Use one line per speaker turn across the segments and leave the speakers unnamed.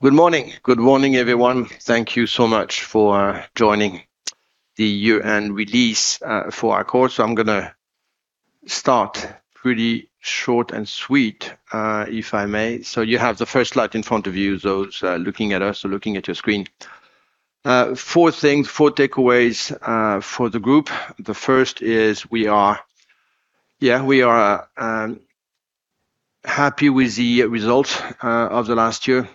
Good morning. Good morning, everyone. Thank you so much for joining the year-end release for Accor. So I'm gonna start pretty short and sweet, if I may. So you have the first slide in front of you, those looking at us or looking at your screen. Four things, four takeaways for the group. The first is we are, we are happy with the results of the last year.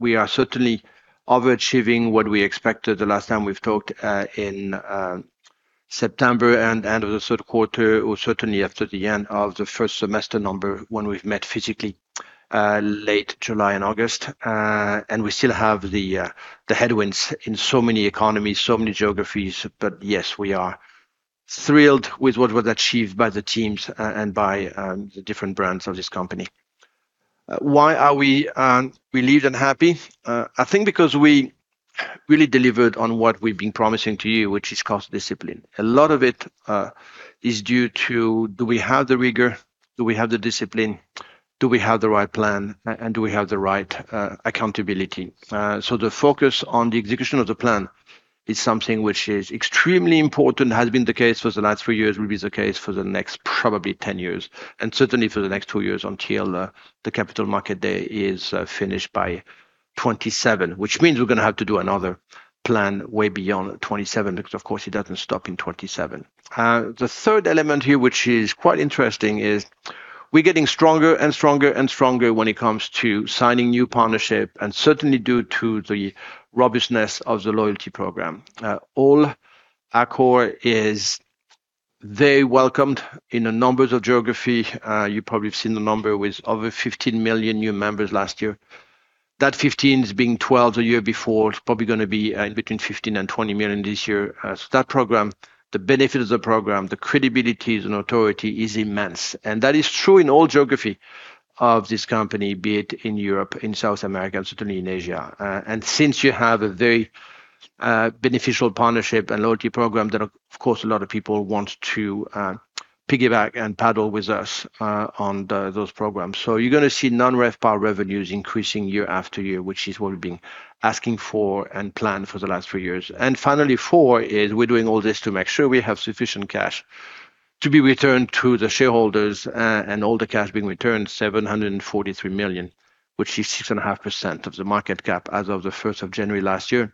We are certainly overachieving what we expected the last time we've talked in September and end of the third quarter, or certainly after the end of the first semester number, when we've met physically late July and August. And we still have the headwinds in so many economies, so many geographies, but yes, we are thrilled with what was achieved by the teams and by the different brands of this company. Why are we relieved and happy? I think because we really delivered on what we've been promising to you, which is cost discipline. A lot of it is due to, do we have the rigor? Do we have the discipline? Do we have the right plan? And do we have the right accountability? So the focus on the execution of the plan is something which is extremely important, has been the case for the last three years, will be the case for the next probably 10 years, and certainly for the next two years until the Capital Market Day is finished by 2027. Which means we're going to have to do another plan way beyond 2027, because, of course, it doesn't stop in 2027. The third element here, which is quite interesting, is we're getting stronger and stronger and stronger when it comes to signing new partnership, and certainly due to the robustness of the loyalty program. ALL Accor is very welcomed in the numbers of geography. You probably have seen the number with over 15 million new members last year. That 15 million is being 12 million the year before, it's probably gonna be in between 15 million and 20 million this year. So that program, the benefit of the program, the credibility and authority is immense, and that is true in all geography of this company, be it in Europe, in South America, and certainly in Asia. And since you have a very beneficial partnership and loyalty program, there are, of course, a lot of people want to piggyback and paddle with us on those programs. So you're gonna see non-RevPAR revenues increasing year after year, which is what we've been asking for and planned for the last three years. And finally, four is we're doing all this to make sure we have sufficient cash to be returned to the shareholders, and all the cash being returned, 743 million, which is 6.5% of the market cap as of the 1st of January last year,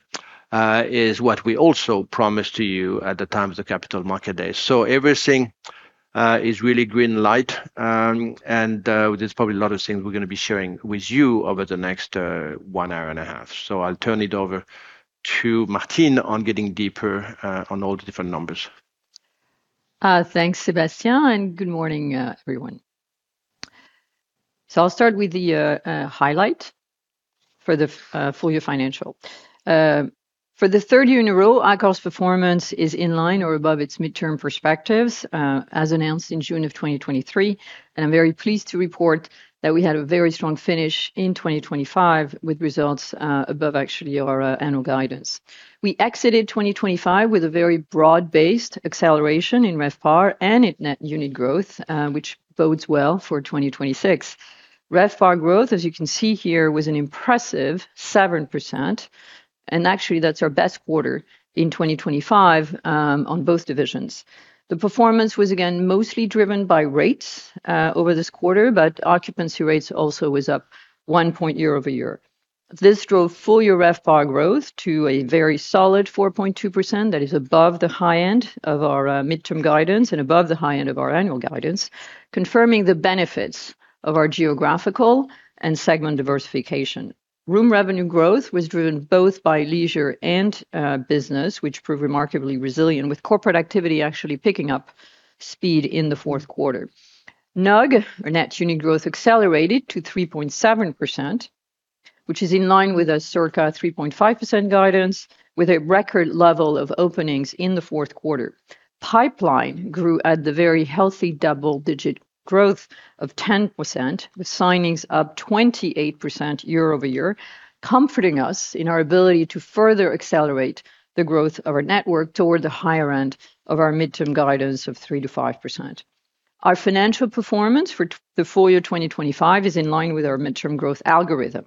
is what we also promised to you at the time of the Capital Market Day. So everything is really green light, and there's probably a lot of things we're gonna be sharing with you over the next one hour and a half. So I'll turn it over to Martine on getting deeper on all the different numbers.
Thanks, Sébastien, and good morning, everyone. So I'll start with the highlight for the full year financial. For the third year in a row, Accor's performance is in line or above its midterm perspectives, as announced in June of 2023, and I'm very pleased to report that we had a very strong finish in 2025, with results above actually our annual guidance. We exited 2025 with a very broad-based acceleration in RevPAR and in net unit growth, which bodes well for 2026. RevPAR growth, as you can see here, was an impressive 7%, and actually, that's our best quarter in 2025, on both divisions. The performance was again, mostly driven by rates over this quarter, but occupancy rates also was up one point year-over-year. This drove full-year RevPAR growth to a very solid 4.2%. That is above the high end of our midterm guidance and above the high end of our annual guidance, confirming the benefits of our geographical and segment diversification. Room revenue growth was driven both by leisure and business, which proved remarkably resilient, with corporate activity actually picking up speed in the fourth quarter. NUG, or net unit growth, accelerated to 3.7%, which is in line with a circa 3.5% guidance, with a record level of openings in the fourth quarter. Pipeline grew at the very healthy double-digit growth of 10%, with signings up 28% year-over-year, comforting us in our ability to further accelerate the growth of our network toward the higher end of our midterm guidance of 3%-5%. Our financial performance for the full year 2025 is in line with our midterm growth algorithm.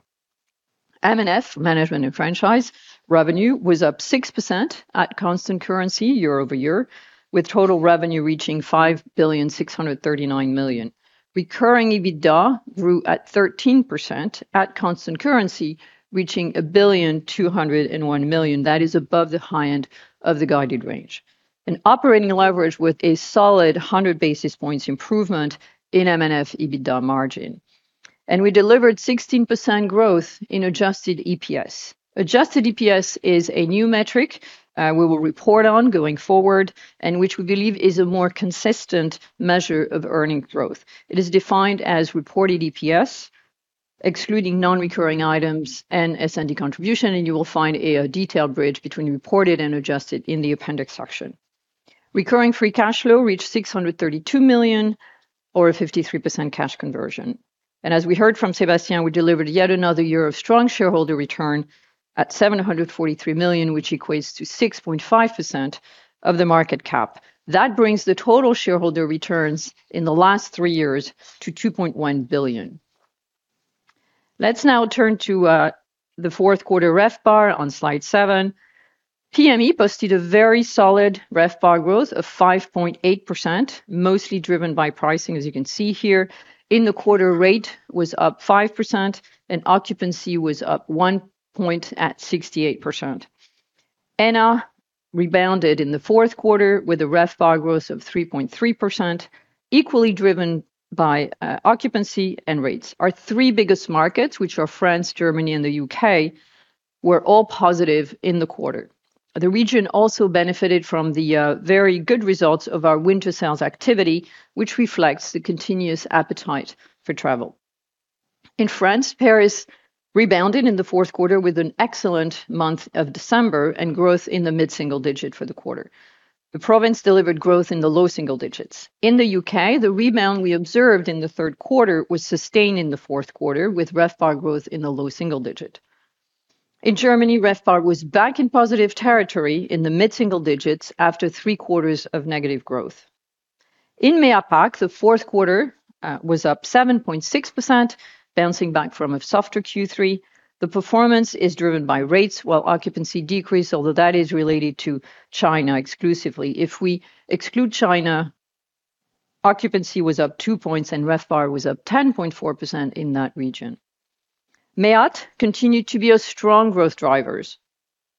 M&F, Management and Franchise, revenue was up 6% at constant currency year-over-year, with total revenue reaching 5.639 billion. Recurring EBITDA grew at 13% at constant currency, reaching 1.201 billion. That is above the high end of the guided range. An operating leverage with a solid 100 basis points improvement in M&F EBITDA margin. And we delivered 16% growth in adjusted EPS. Adjusted EPS is a new metric, we will report on going forward, and which we believe is a more consistent measure of earning growth. It is defined as reported EPS, excluding non-recurring items and S&D contribution, and you will find a detailed bridge between reported and adjusted in the appendix section. Recurring free cash flow reached 632 million or a 53% cash conversion. As we heard from Sébastien, we delivered yet another year of strong shareholder return at 743 million, which equates to 6.5% of the market cap. That brings the total shareholder returns in the last three years to 2.1 billion. Let's now turn to the fourth quarter RevPAR on slide seven. PME posted a very solid RevPAR growth of 5.8%, mostly driven by pricing, as you can see here. In the quarter, rate was up 5% and occupancy was up 1 point at 68%. ENA rebounded in the fourth quarter with a RevPAR growth of 3.3%, equally driven by occupancy and rates. Our three biggest markets, which are France, Germany, and the U.K., were all positive in the quarter. The region also benefited from the very good results of our winter sales activity, which reflects the continuous appetite for travel. In France, Paris rebounded in the fourth quarter with an excellent month of December and growth in the mid-single digit for the quarter. The province delivered growth in the low single digits. In the U.K., the rebound we observed in the third quarter was sustained in the fourth quarter, with RevPAR growth in the low single digit. In Germany, RevPAR was back in positive territory in the mid-single digits after three quarters of negative growth. In MEA APAC, the fourth quarter was up 7.6%, bouncing back from a softer Q3. The performance is driven by rates, while occupancy decreased, although that is related to China exclusively. If we exclude China, occupancy was up 2 points and RevPAR was up 10.4% in that region. MEAT continued to be a strong growth drivers,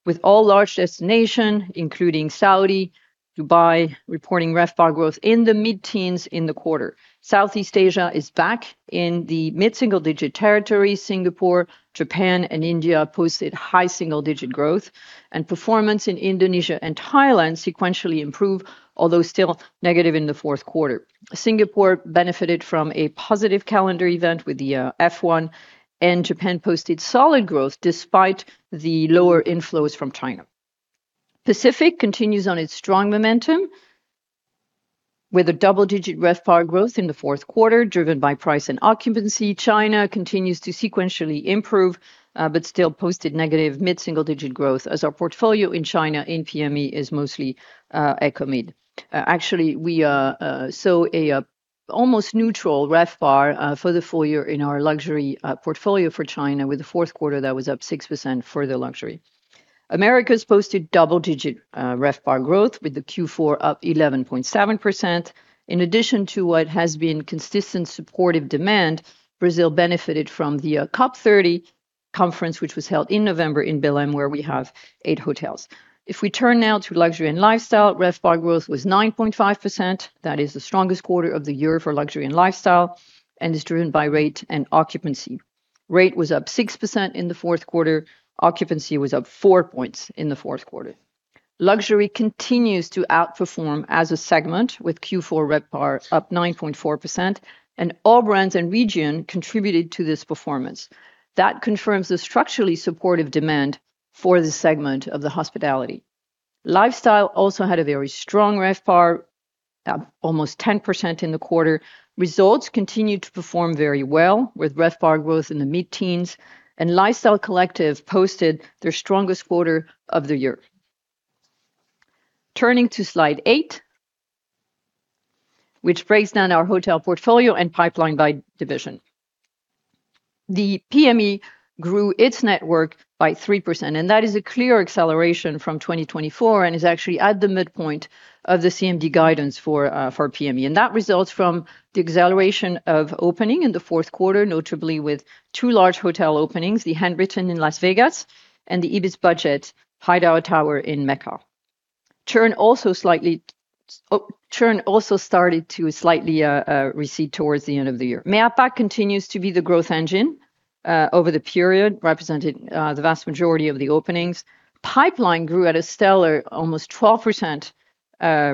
with all large destination, including Saudi, Dubai, reporting RevPAR growth in the mid-teens in the quarter. Southeast Asia is back in the mid-single-digit territory. Singapore, Japan, and India posted high single-digit growth, and performance in Indonesia and Thailand sequentially improved, although still negative in the fourth quarter. Singapore benefited from a positive calendar event with the F1, and Japan posted solid growth despite the lower inflows from China. Pacific continues on its strong momentum, with a double-digit RevPAR growth in the fourth quarter, driven by price and occupancy. China continues to sequentially improve, but still posted negative mid-single-digit growth as our portfolio in China in PME is mostly eco-mid. Actually, we saw almost neutral RevPAR for the full year in our luxury portfolio for China, with the fourth quarter that was up 6% for the luxury. Americas posted double-digit RevPAR growth, with the Q4 up 11.7%. In addition to what has been consistent supportive demand, Brazil benefited from the COP30 conference, which was held in November in Belém, where we have eight hotels. If we turn now to Luxury & Lifestyle, RevPAR growth was 9.5%. That is the strongest quarter of the year for Luxury & Lifestyle and is driven by rate and occupancy. Rate was up 6% in the fourth quarter. Occupancy was up 4 points in the fourth quarter. Luxury continues to outperform as a segment, with Q4 RevPAR up 9.4%, and all brands and region contributed to this performance. That confirms the structurally supportive demand for the segment of the hospitality. Lifestyle also had a very strong RevPAR, up almost 10% in the quarter. Results continued to perform very well, with RevPAR growth in the mid-teens, and Lifestyle Collective posted their strongest quarter of the year. Turning to slide eight, which breaks down our hotel portfolio and pipeline by division. The PME grew its network by 3%, and that is a clear acceleration from 2024 and is actually at the midpoint of the CMD guidance for, for PME. That results from the acceleration of opening in the fourth quarter, notably with two large hotel openings, the Handwritten in Las Vegas and the ibis budget Hidayah Towers in Makkah. Churn also started to slightly recede towards the end of the year. MEA APAC continues to be the growth engine over the period, represented the vast majority of the openings. Pipeline grew at a stellar almost 12%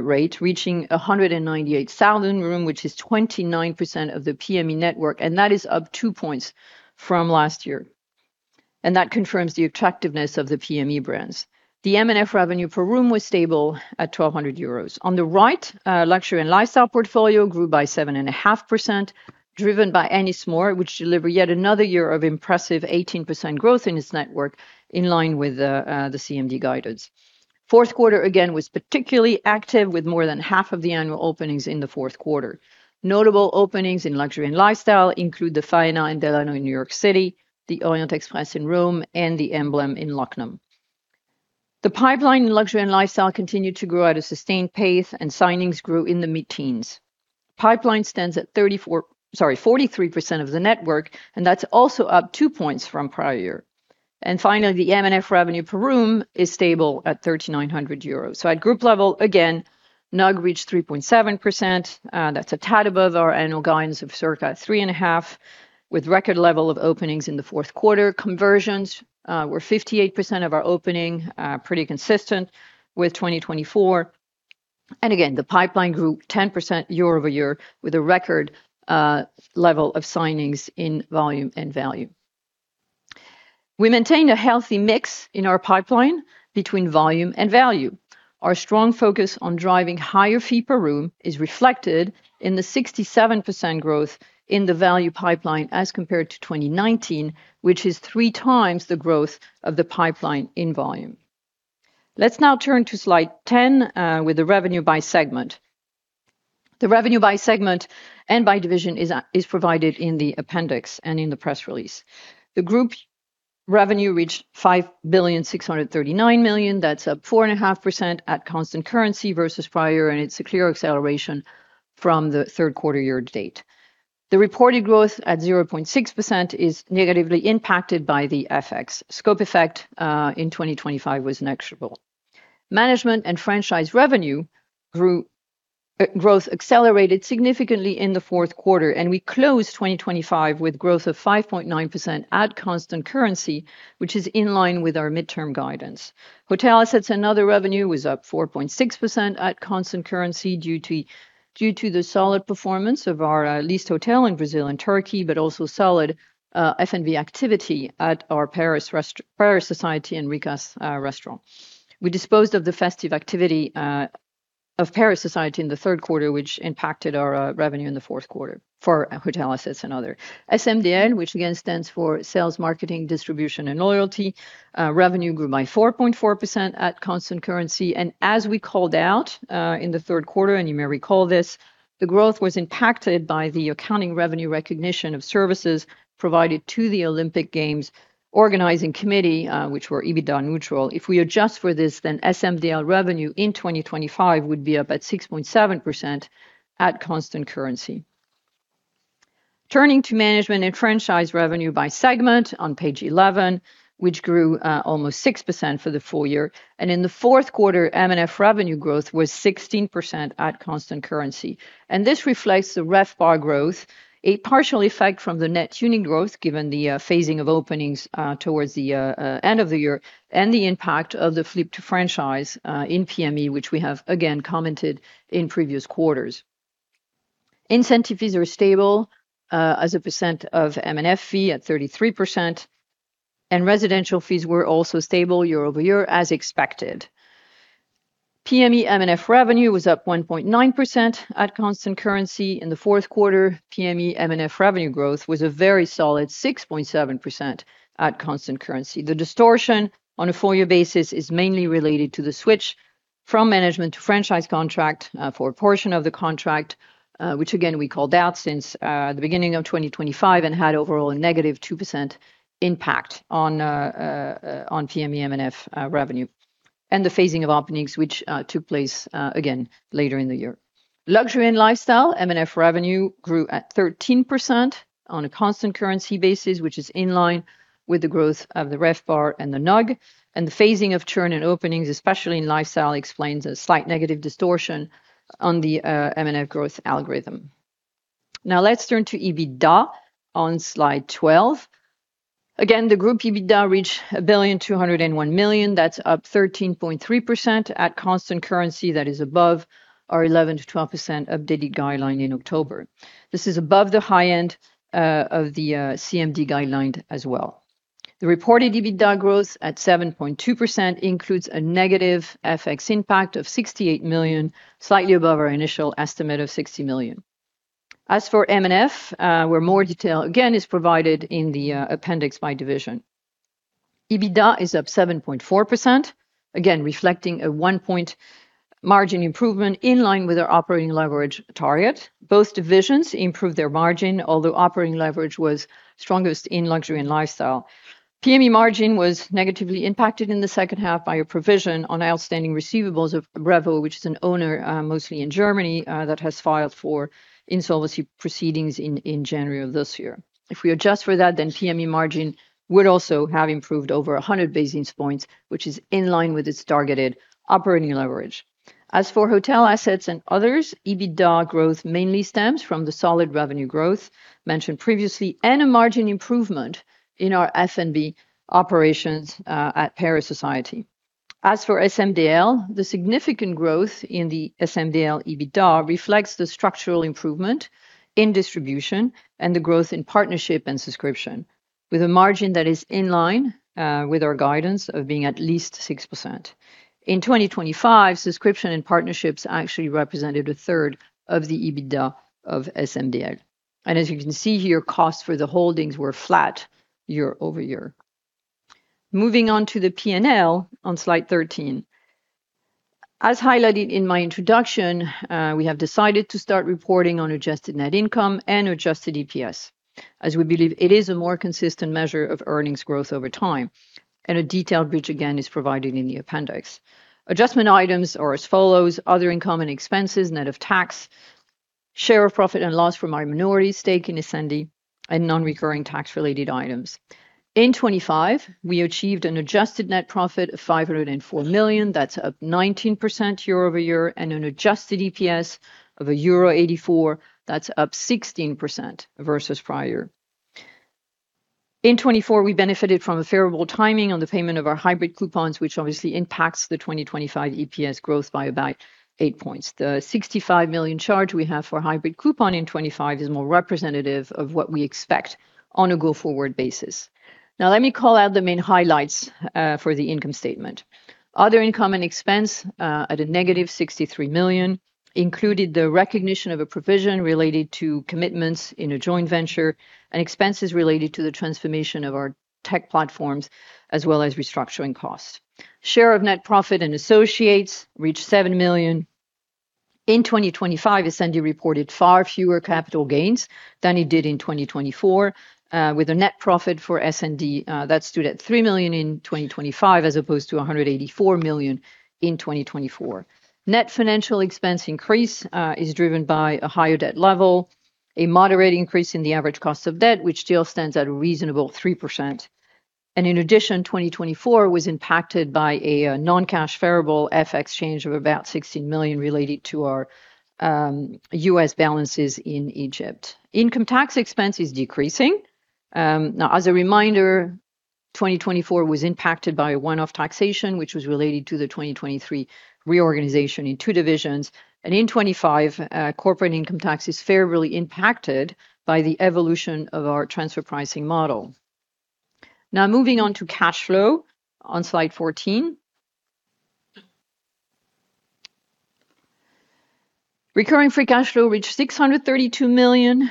rate, reaching 198,000 rooms, which is 29% of the PME network, and that is up 2 points from last year. And that confirms the attractiveness of the PME brands. The M&F revenue per room was stable at 1,200 euros. On the right, Luxury & Lifestyle portfolio grew by 7.5%, driven by Ennismore, which delivered yet another year of impressive 18% growth in its network, in line with the CMD guidance. Fourth quarter, again, was particularly active, with more than half of the annual openings in the fourth quarter. Notable openings in Luxury & Lifestyle include the Faena and Delano in New York City, the Orient Express in Rome, and the Emblem in Lucknow. The pipeline in Luxury & Lifestyle continued to grow at a sustained pace, and signings grew in the mid-teens. Pipeline stands at 34%, sorry, 43% of the network, and that's also up 2 points from prior year. Finally, the M&F revenue per room is stable at 3,900 euros. So at group level, again, NUG reached 3.7%. That's a tad above our annual guidance of circa 3.5%, with record level of openings in the fourth quarter. Conversions were 58% of our opening, pretty consistent with 2024. Again, the pipeline grew 10% year-over-year, with a record level of signings in volume and value. We maintained a healthy mix in our pipeline between volume and value. Our strong focus on driving higher fee per room is reflected in the 67% growth in the value pipeline as compared to 2019, which is three times the growth of the pipeline in volume. Let's now turn to slide 10 with the revenue by segment. The revenue by segment and by division is provided in the appendix and in the press release. The Group revenue reached 5.639 billion. That's up 4.5% at constant currency versus prior, and it's a clear acceleration from the third quarter year-to-date. The reported growth at 0.6% is negatively impacted by the FX scope effect in 2025 was negligible. Management and franchise revenue growth accelerated significantly in the fourth quarter, and we closed 2025 with growth of 5.9% at constant currency, which is in line with our mid-term guidance. Hotel assets and other revenue was up 4.6% at constant currency due to the solid performance of our leased hotel in Brazil and Turkey, but also solid FB activity at our Paris Society and Rikas restaurant. We disposed of the festive activity of Paris Society in the third quarter, which impacted our revenue in the fourth quarter for hotel assets and other. SMDL, which again stands for Sales Marketing Distribution and Loyalty, revenue grew by 4.4% at constant currency. As we called out in the third quarter, and you may recall this, the growth was impacted by the accounting revenue recognition of services provided to the Olympic Games Organizing Committee, which were EBITDA neutral. If we adjust for this, then SMDL revenue in 2025 would be up at 6.7% at constant currency. Turning to management and franchise revenue by segment on page 11, which grew almost 6% for the full year, and in the fourth quarter, M&F revenue growth was 16% at constant currency. And this reflects the RevPAR growth, a partial effect from the net unit growth, given the phasing of openings towards the end of the year, and the impact of the flip to franchise in PME, which we have again commented in previous quarters. Incentive fees were stable, as a percent of M&F fee at 33%, and residential fees were also stable year over year, as expected. PME M&F revenue was up 1.9% at constant currency. In the fourth quarter, PME M&F revenue growth was a very solid 6.7% at constant currency. The distortion on a full year basis is mainly related to the switch from management to franchise contract, for a portion of the contract, which again, we called out since, the beginning of 2025 and had overall a -2% impact on, on PME M&F, revenue, and the phasing of openings, which, took place, again later in the year. Luxury & Lifestyle, M&F revenue grew at 13% on a constant currency basis, which is in line with the growth of the RevPAR and the NUG, and the phasing of churn and openings, especially in lifestyle, explains a slight negative distortion on the M&F growth algorithm. Now let's turn to EBITDA on slide 12. Again, the group EBITDA reached 1.201 billion. That's up 13.3% at constant currency. That is above our 11%-12% updated guideline in October. This is above the high end of the CMD guideline as well. The reported EBITDA growth at 7.2% includes a negative FX impact of 68 million, slightly above our initial estimate of 60 million. As for M&F, where more detail again is provided in the appendix by division. EBITDA is up 7.4%, again, reflecting a 1-point margin improvement in line with our operating leverage target. Both divisions improved their margin, although operating leverage was strongest in Luxury & Lifestyle. PME margin was negatively impacted in the second half by a provision on outstanding receivables of Revo, which is an owner, mostly in Germany, that has filed for insolvency proceedings in January of this year. If we adjust for that, then PME margin would also have improved over 100 basis points, which is in line with its targeted operating leverage. As for hotel assets and others, EBITDA growth mainly stems from the solid revenue growth mentioned previously and a margin improvement in our FNB operations at Paris Society. As for SMDL, the significant growth in the SMDL EBITDA reflects the structural improvement in distribution and the growth in partnership and subscription, with a margin that is in line with our guidance of being at least 6%. In 2025, subscription and partnerships actually represented a third of the EBITDA of SMDL. As you can see here, costs for the holdings were flat year-over-year. Moving on to the P&L on slide 13. As highlighted in my introduction, we have decided to start reporting on adjusted net income and adjusted EPS, as we believe it is a more consistent measure of earnings growth over time, and a detailed bridge, again, is provided in the appendix. Adjustment items are as follows: other income and expenses, net of tax, share of profit and loss from our minority stake in Ascendi, and non-recurring tax-related items. In 2025, we achieved an adjusted net profit of 504 million. That's up 19% year-over-year, and an adjusted EPS of euro 0.84, that's up 16% versus prior. In 2024, we benefited from a favorable timing on the payment of our hybrid coupons, which obviously impacts the 2025 EPS growth by about 8 points. The 65 million charge we have for hybrid coupon in 2025 is more representative of what we expect on a go-forward basis. Now, let me call out the main highlights for the income statement. Other income and expense at a negative 63 million included the recognition of a provision related to commitments in a joint venture and expenses related to the transformation of our tech platforms, as well as restructuring costs. Share of net profit and associates reached 7 million. In 2025, S&D reported far fewer capital gains than it did in 2024, with a net profit for S&D that stood at 3 million in 2025, as opposed to 184 million in 2024. Net financial expense increase is driven by a higher debt level, a moderate increase in the average cost of debt, which still stands at a reasonable 3%. And in addition, 2024 was impacted by a non-cash favorable FX change of about 16 million related to our U.S. balances in Egypt. Income tax expense is decreasing. Now, as a reminder, 2024 was impacted by a one-off taxation, which was related to the 2023 reorganization in two divisions. And in 2025, corporate income tax is fairly impacted by the evolution of our transfer pricing model. Now, moving on to cash flow on slide 14. Recurring free cash flow reached 632 million in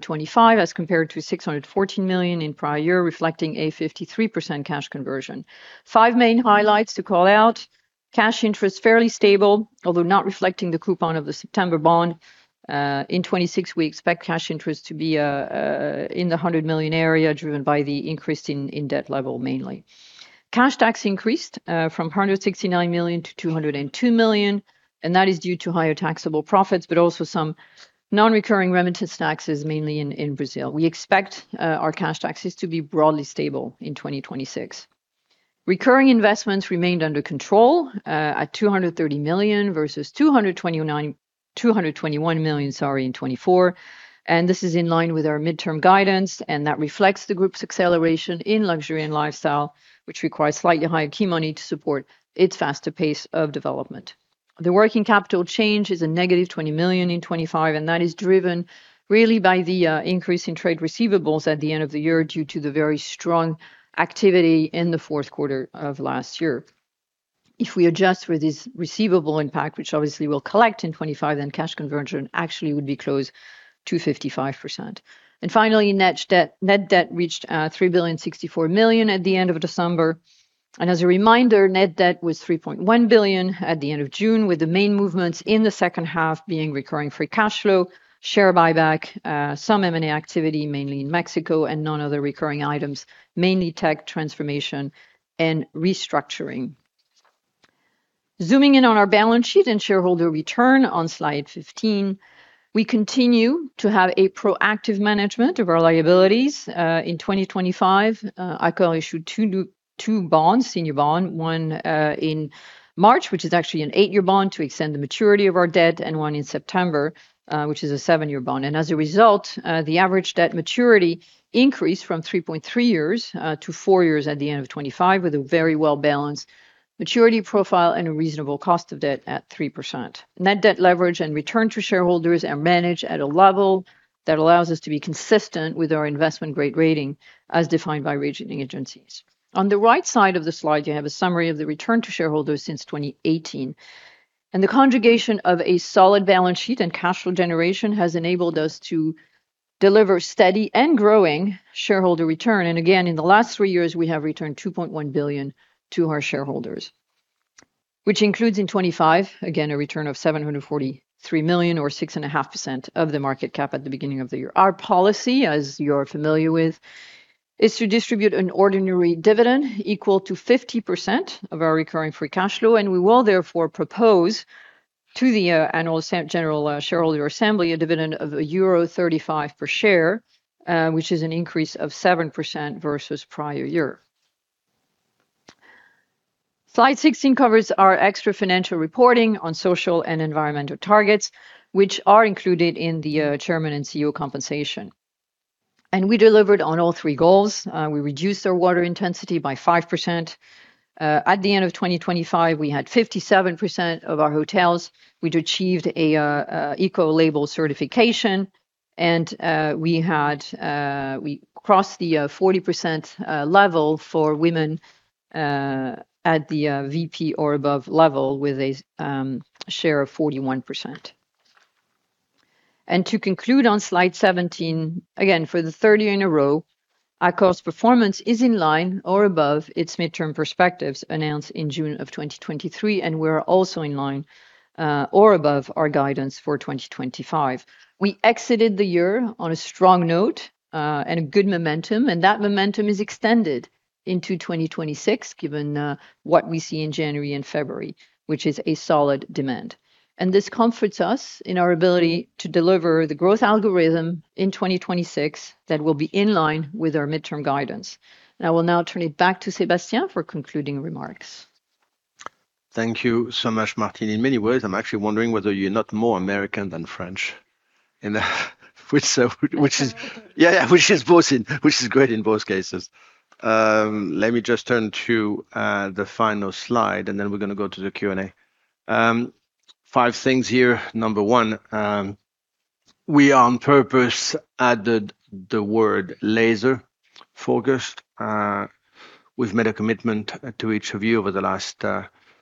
2025, as compared to 614 million in prior year, reflecting a 53% cash conversion. Five main highlights to call out: cash interest, fairly stable, although not reflecting the coupon of the September bond. In 2026, we expect cash interest to be in the 100 million area, driven by the increase in debt level, mainly. Cash tax increased from 169 million to 202 million, and that is due to higher taxable profits, but also some non-recurring remittances taxes, mainly in Brazil. We expect our cash taxes to be broadly stable in 2026. Recurring investments remained under control at 230 million versus 221 million in 2024, and this is in line with our midterm guidance, and that reflects the group's acceleration in Luxury & Lifestyle, which requires slightly higher key money to support its faster pace of development. The working capital change is a -20 million in 2025, and that is driven really by the increase in trade receivables at the end of the year, due to the very strong activity in the fourth quarter of last year. If we adjust for this receivable impact, which obviously will collect in 2025, then cash conversion actually would be close to 55%. Finally, net debt reached 3.064 billion at the end of December. As a reminder, net debt was 3.1 billion at the end of June, with the main movements in the second half being recurring free cash flow, share buyback, some M&A activity, mainly in Mexico, and other non-recurring items, mainly tech transformation and restructuring. Zooming in on our balance sheet and shareholder return on slide 15. We continue to have a proactive management of our liabilities. In 2025, Accor issued two new senior bonds, one in March, which is actually an eight-year bond, to extend the maturity of our debt, and one in September, which is a seven-year bond. As a result, the average debt maturity increased from 3.3 years to four years at the end of 2025, with a very well balanced maturity profile and a reasonable cost of debt at 3%. Net debt leverage and return to shareholders are managed at a level that allows us to be consistent with our investment-grade rating, as defined by rating agencies. On the right side of the slide, you have a summary of the return to shareholders since 2018, and the combination of a solid balance sheet and cash flow generation has enabled us to deliver steady and growing shareholder return. And again, in the last three years, we have returned 2.1 billion to our shareholders, which includes in 2025, again, a return of 743 million or 6.5% of the market cap at the beginning of the year. Our policy, as you're familiar with, is to distribute an ordinary dividend equal to 50% of our recurring free cash flow, and we will therefore propose to the annual general shareholder assembly a dividend of euro 35 per share, which is an increase of 7% versus prior year. Slide 16 covers our extrafinancial reporting on social and environmental targets, which are included in the Chairman and CEO compensation. We delivered on all three goals. We reduced our water intensity by 5%. At the end of 2025, we had 57% of our hotels which achieved an eco-label certification, and we crossed the 40% level for women at the VP or above level, with a share of 41%. To conclude on slide 17, again, for the third year in a row, Accor's performance is in line or above its midterm perspectives announced in June of 2023, and we're also in line, or above our guidance for 2025. We exited the year on a strong note, and a good momentum, and that momentum is extended into 2026, given, what we see in January and February, which is a solid demand. And this comforts us in our ability to deliver the growth algorithm in 2026 that will be in line with our midterm guidance. I will now turn it back to Sébastien for concluding remarks.
Thank you so much, Martine. In many ways, I'm actually wondering whether you're not more American than French, and which is both, which is great in both cases. Let me just turn to the final slide, and then we're going to go to the Q&A. Five things here. Number one, we on purpose added the word laser focused. We've made a commitment to each of you over the last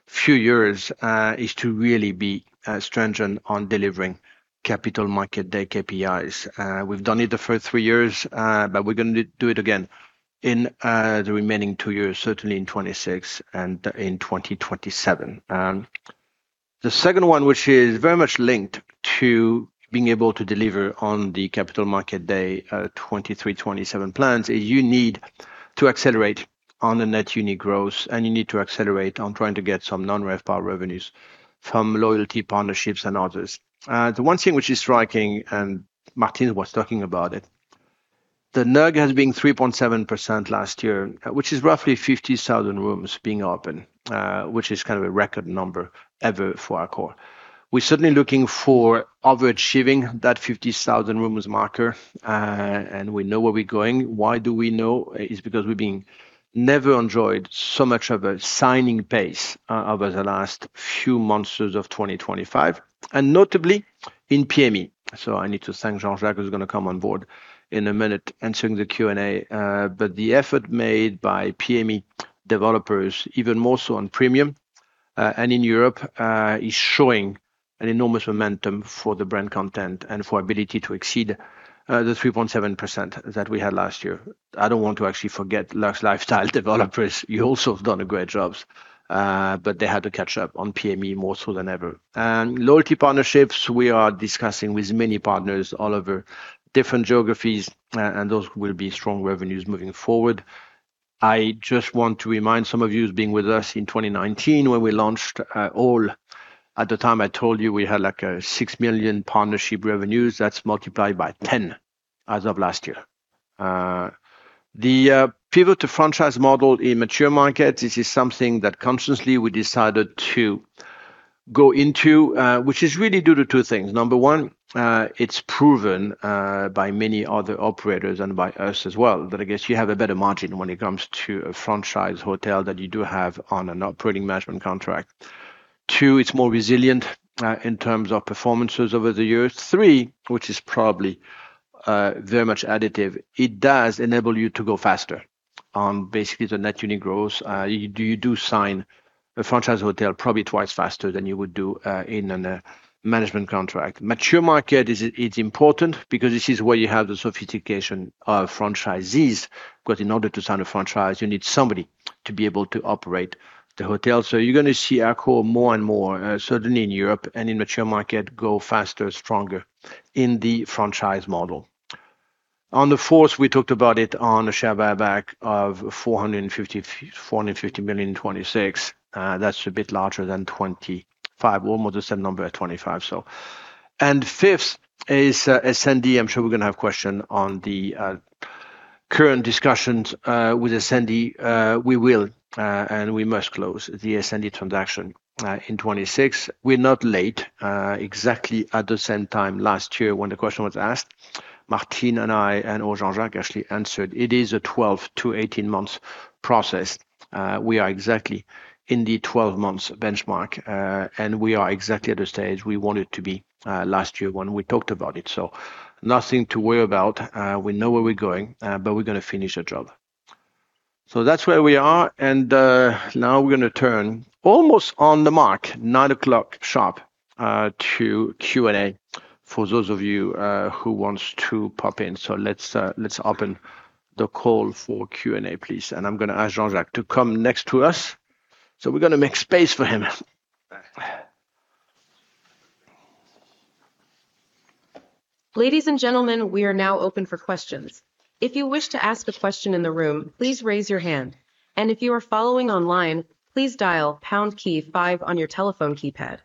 few years is to really be stringent on delivering capital market day KPIs. We've done it the first three years, but we're going to do it again in the remaining two years, certainly in 2026 and in 2027. The second one, which is very much linked to being able to deliver on the Capital Market Day 2023-2027 plans, is you need to accelerate on the net unit growth, and you need to accelerate on trying to get some non-RevPAR revenues from loyalty, partnerships, and others. The one thing which is striking, and Martine was talking about it, the NUG has been 3.7% last year, which is roughly 50,000 rooms being open, which is kind of a record number ever for Accor. We're certainly looking for overachieving that 50,000 rooms marker, and we know where we're going. Why do we know? It's because we've never enjoyed so much of a signing pace over the last few months of 2025, and notably in PME. So I need to thank Jean-Jacques, who's going to come on board in a minute, answering the Q&A. But the effort made by PME developers, even more so on premium, and in Europe, is showing an enormous momentum for the brand content and for ability to exceed the 3.7% that we had last year. I don't want to actually forget Luxury & Lifestyle developers. You also have done a great job, but they had to catch up on PME more so than ever. And loyalty partnerships, we are discussing with many partners all over different geographies, and those will be strong revenues moving forward. I just want to remind some of you who's been with us in 2019 when we launched All. At the time, I told you we had, like, 6 million partnership revenues. That's multiplied by 10 as of last year. The pivot to franchise model in mature markets, this is something that consciously we decided to go into, which is really due to two things. Number one, it's proven by many other operators and by us as well, that I guess you have a better margin when it comes to a franchise hotel than you do have on an operating management contract. two, it's more resilient in terms of performances over the years. three, which is probably very much additive, it does enable you to go faster on basically the net unit growth. You do sign a franchise hotel probably twice faster than you would do in a management contract. Mature market is important because this is where you have the sophistication of franchisees, because in order to sign a franchise, you need somebody to be able to operate the hotel. So you're gonna see Accor more and more, certainly in Europe and in mature market, go faster, stronger in the franchise model. On the fourth, we talked about it on a share buyback of 450 million in 2026. That's a bit larger than 2025. Almost the same number at 2025, so. And fifth is SND. I'm sure we're gonna have question on the current discussions with SND. We will, and we must close the SND transaction in 2026. We're not late. Exactly at the same time last year, when the question was asked, Martine and I and also Jean-Jacques actually answered, it is a 12-18 months process. We are exactly in the 12 months benchmark, and we are exactly at the stage we wanted to be, last year when we talked about it. So nothing to worry about. We know where we're going, but we're gonna finish the job. So that's where we are, and now we're gonna turn almost on the mark, 9:00 A.M. sharp, to Q&A for those of you who wants to pop in. So let's open the call for Q&A, please, and I'm gonna ask Jean-Jacques to come next to us. So we're gonna make space for him.
Ladies and gentlemen, we are now open for questions. If you wish to ask a question in the room, please raise your hand, and if you are following online, please dial pound key five on your telephone keypad.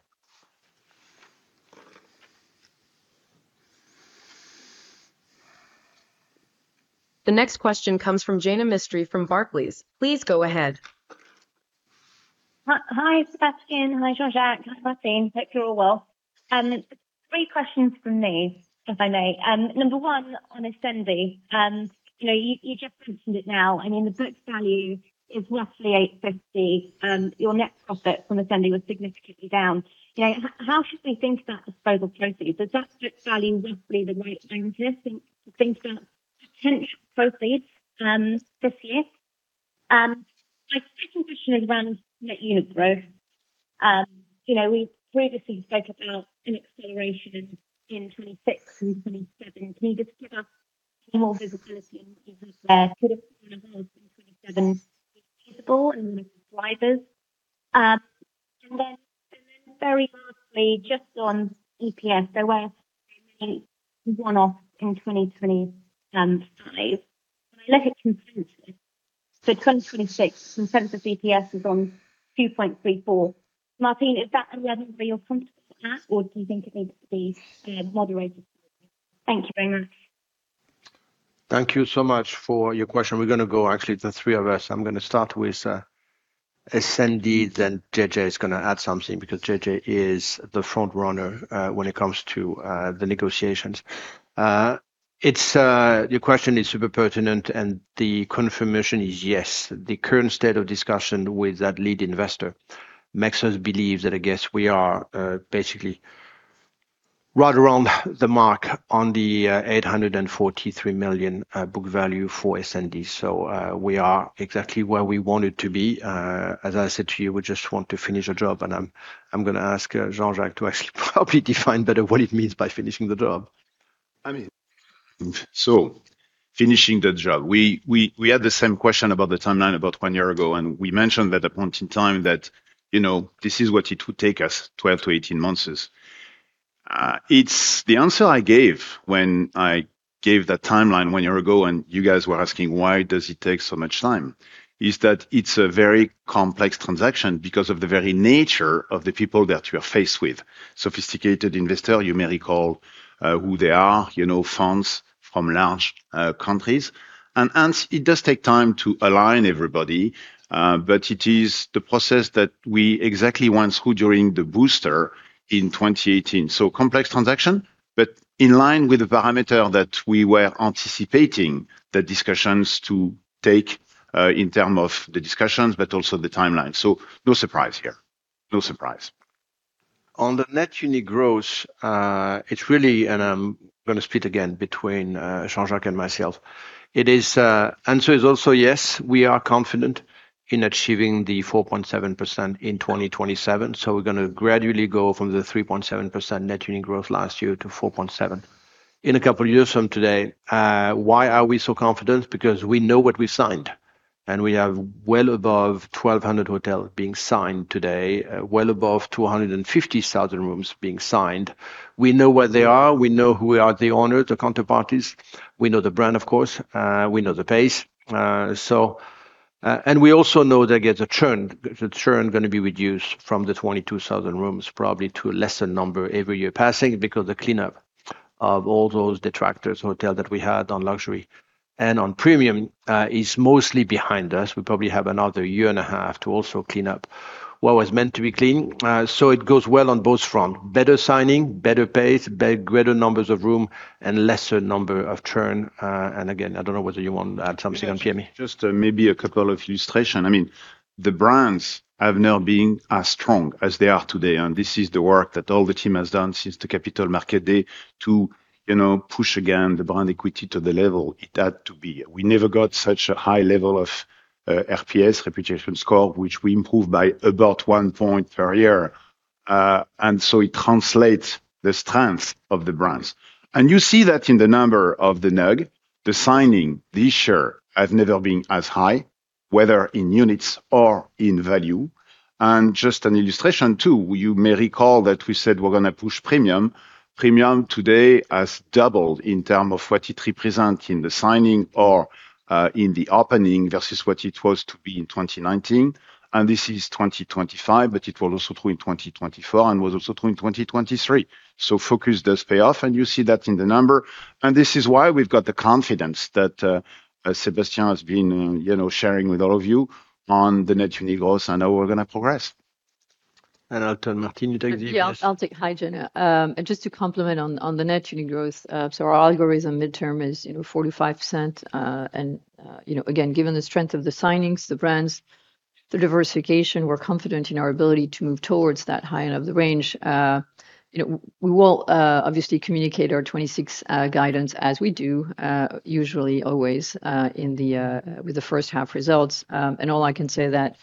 The next question comes from Jaina Mistry from Barclays. Please go ahead.
Hi, Sébastien. Hi, Jean-Jacques. Hi, Martine. Hope you're all well. Three questions from me, if I may. Number one, on SND, you know, you just mentioned it now. I mean, the book value is roughly 850 million, your net profit from SND was significantly down. You know, how should we think about the disposal proceeds? Is that book value roughly the right one to think about potential proceeds, this year. My second question is around net unit growth. You know, we previously spoke about an acceleration in 2026 and 2027. Can you just give us more visibility into where 2027 is feasible and drivers? And then very lastly, just on EPS, there were one-off in 2025. When I look at consensus for 2026, consensus EPS is on 2.34. Martine, is that a level where you're comfortable at, or do you think it needs to be, moderated? Thank you very much.
Thank you so much for your question. We're gonna go actually, the three of us. I'm gonna start with SND, then JJ is gonna add something because JJ is the front runner when it comes to the negotiations. It's your question is super pertinent, and the confirmation is yes. The current state of discussion with that lead investor makes us believe that, I guess, we are basically right around the mark on the 843 million book value for SND. So, we are exactly where we wanted to be. As I said to you, we just want to finish the job, and I'm gonna ask Jean-Jacques to actually probably define better what it means by finishing the job.
So finishing the job, we had the same question about the timeline about one year ago, and we mentioned that at a point in time that, you know, this is what it would take us, 12-18 months. The answer I gave when I gave that timeline one year ago, and you guys were asking, "Why does it take so much time?" is that it's a very complex transaction because of the very nature of the people that you are faced with. Sophisticated investor, you may recall, who they are, you know, funds from large countries. And it does take time to align everybody, but it is the process that we exactly went through during the booster in 2018. So complex transaction, but in line with the parameters that we were anticipating the discussions to take, in terms of the discussions, but also the timeline. So no surprise here. No surprise.
On the net unit growth, it's really, and I'm going to split again between, Jean-Jacques and myself. It is, answer is also, yes, we are confident in achieving the 4.7% in 2027. So we're gonna gradually go from the 3.7% net unit growth last year to 4.7. In a couple of years from today, why are we so confident? Because we know what we signed, and we have well above 1,200 hotel being signed today, well above 250,000 rooms being signed. We know where they are, we know who are the owners, the counterparties, we know the brand, of course, we know the pace, and we also know there is a churn. The churn going to be reduced from the 22,000 rooms, probably to a lesser number every year passing, because the cleanup of all those detractors hotel that we had on luxury and on premium is mostly behind us. We probably have another year and a half to also clean up what was meant to be clean. So it goes well on both front. Better signing, better pace, better greater numbers of room and lesser number of churn. And again, I don't know whether you want to add something on, Pierre.
Just, maybe a couple of illustration. I mean, the brands have never been as strong as they are today, and this is the work that all the team has done since the Capital Market Day to, you know, push again, the brand equity to the level it had to be. We never got such a high level of, RPS, reputation score, which we improved by about one point per year. And so it translates the strength of the brands. And you see that in the number of the NUG, the signing this year has never been as high, whether in units or in value. And just an illustration, too, you may recall that we said we're going to push premium. Premium today has doubled in term of what it represents in the signing or, in the opening versus what it was to be in 2019, and this is 2025, but it was also true in 2024 and was also true in 2023. So focus does pay off, and you see that in the number. And this is why we've got the confidence that, Sébastien has been, you know, sharing with all of you on the net unit growth and how we're going to progress.
I'll turn to Martine, you take this.
Yeah, I'll take. Hi, Jaina. And just to comment on the net unit growth, so our mid-term algo is, you know, 45%. And, you know, again, given the strength of the signings, the brands, the diversification, we're confident in our ability to move towards that high end of the range. You know, we will obviously communicate our 2026 guidance, as we do usually, always, in the with the first half results. And all I can say that,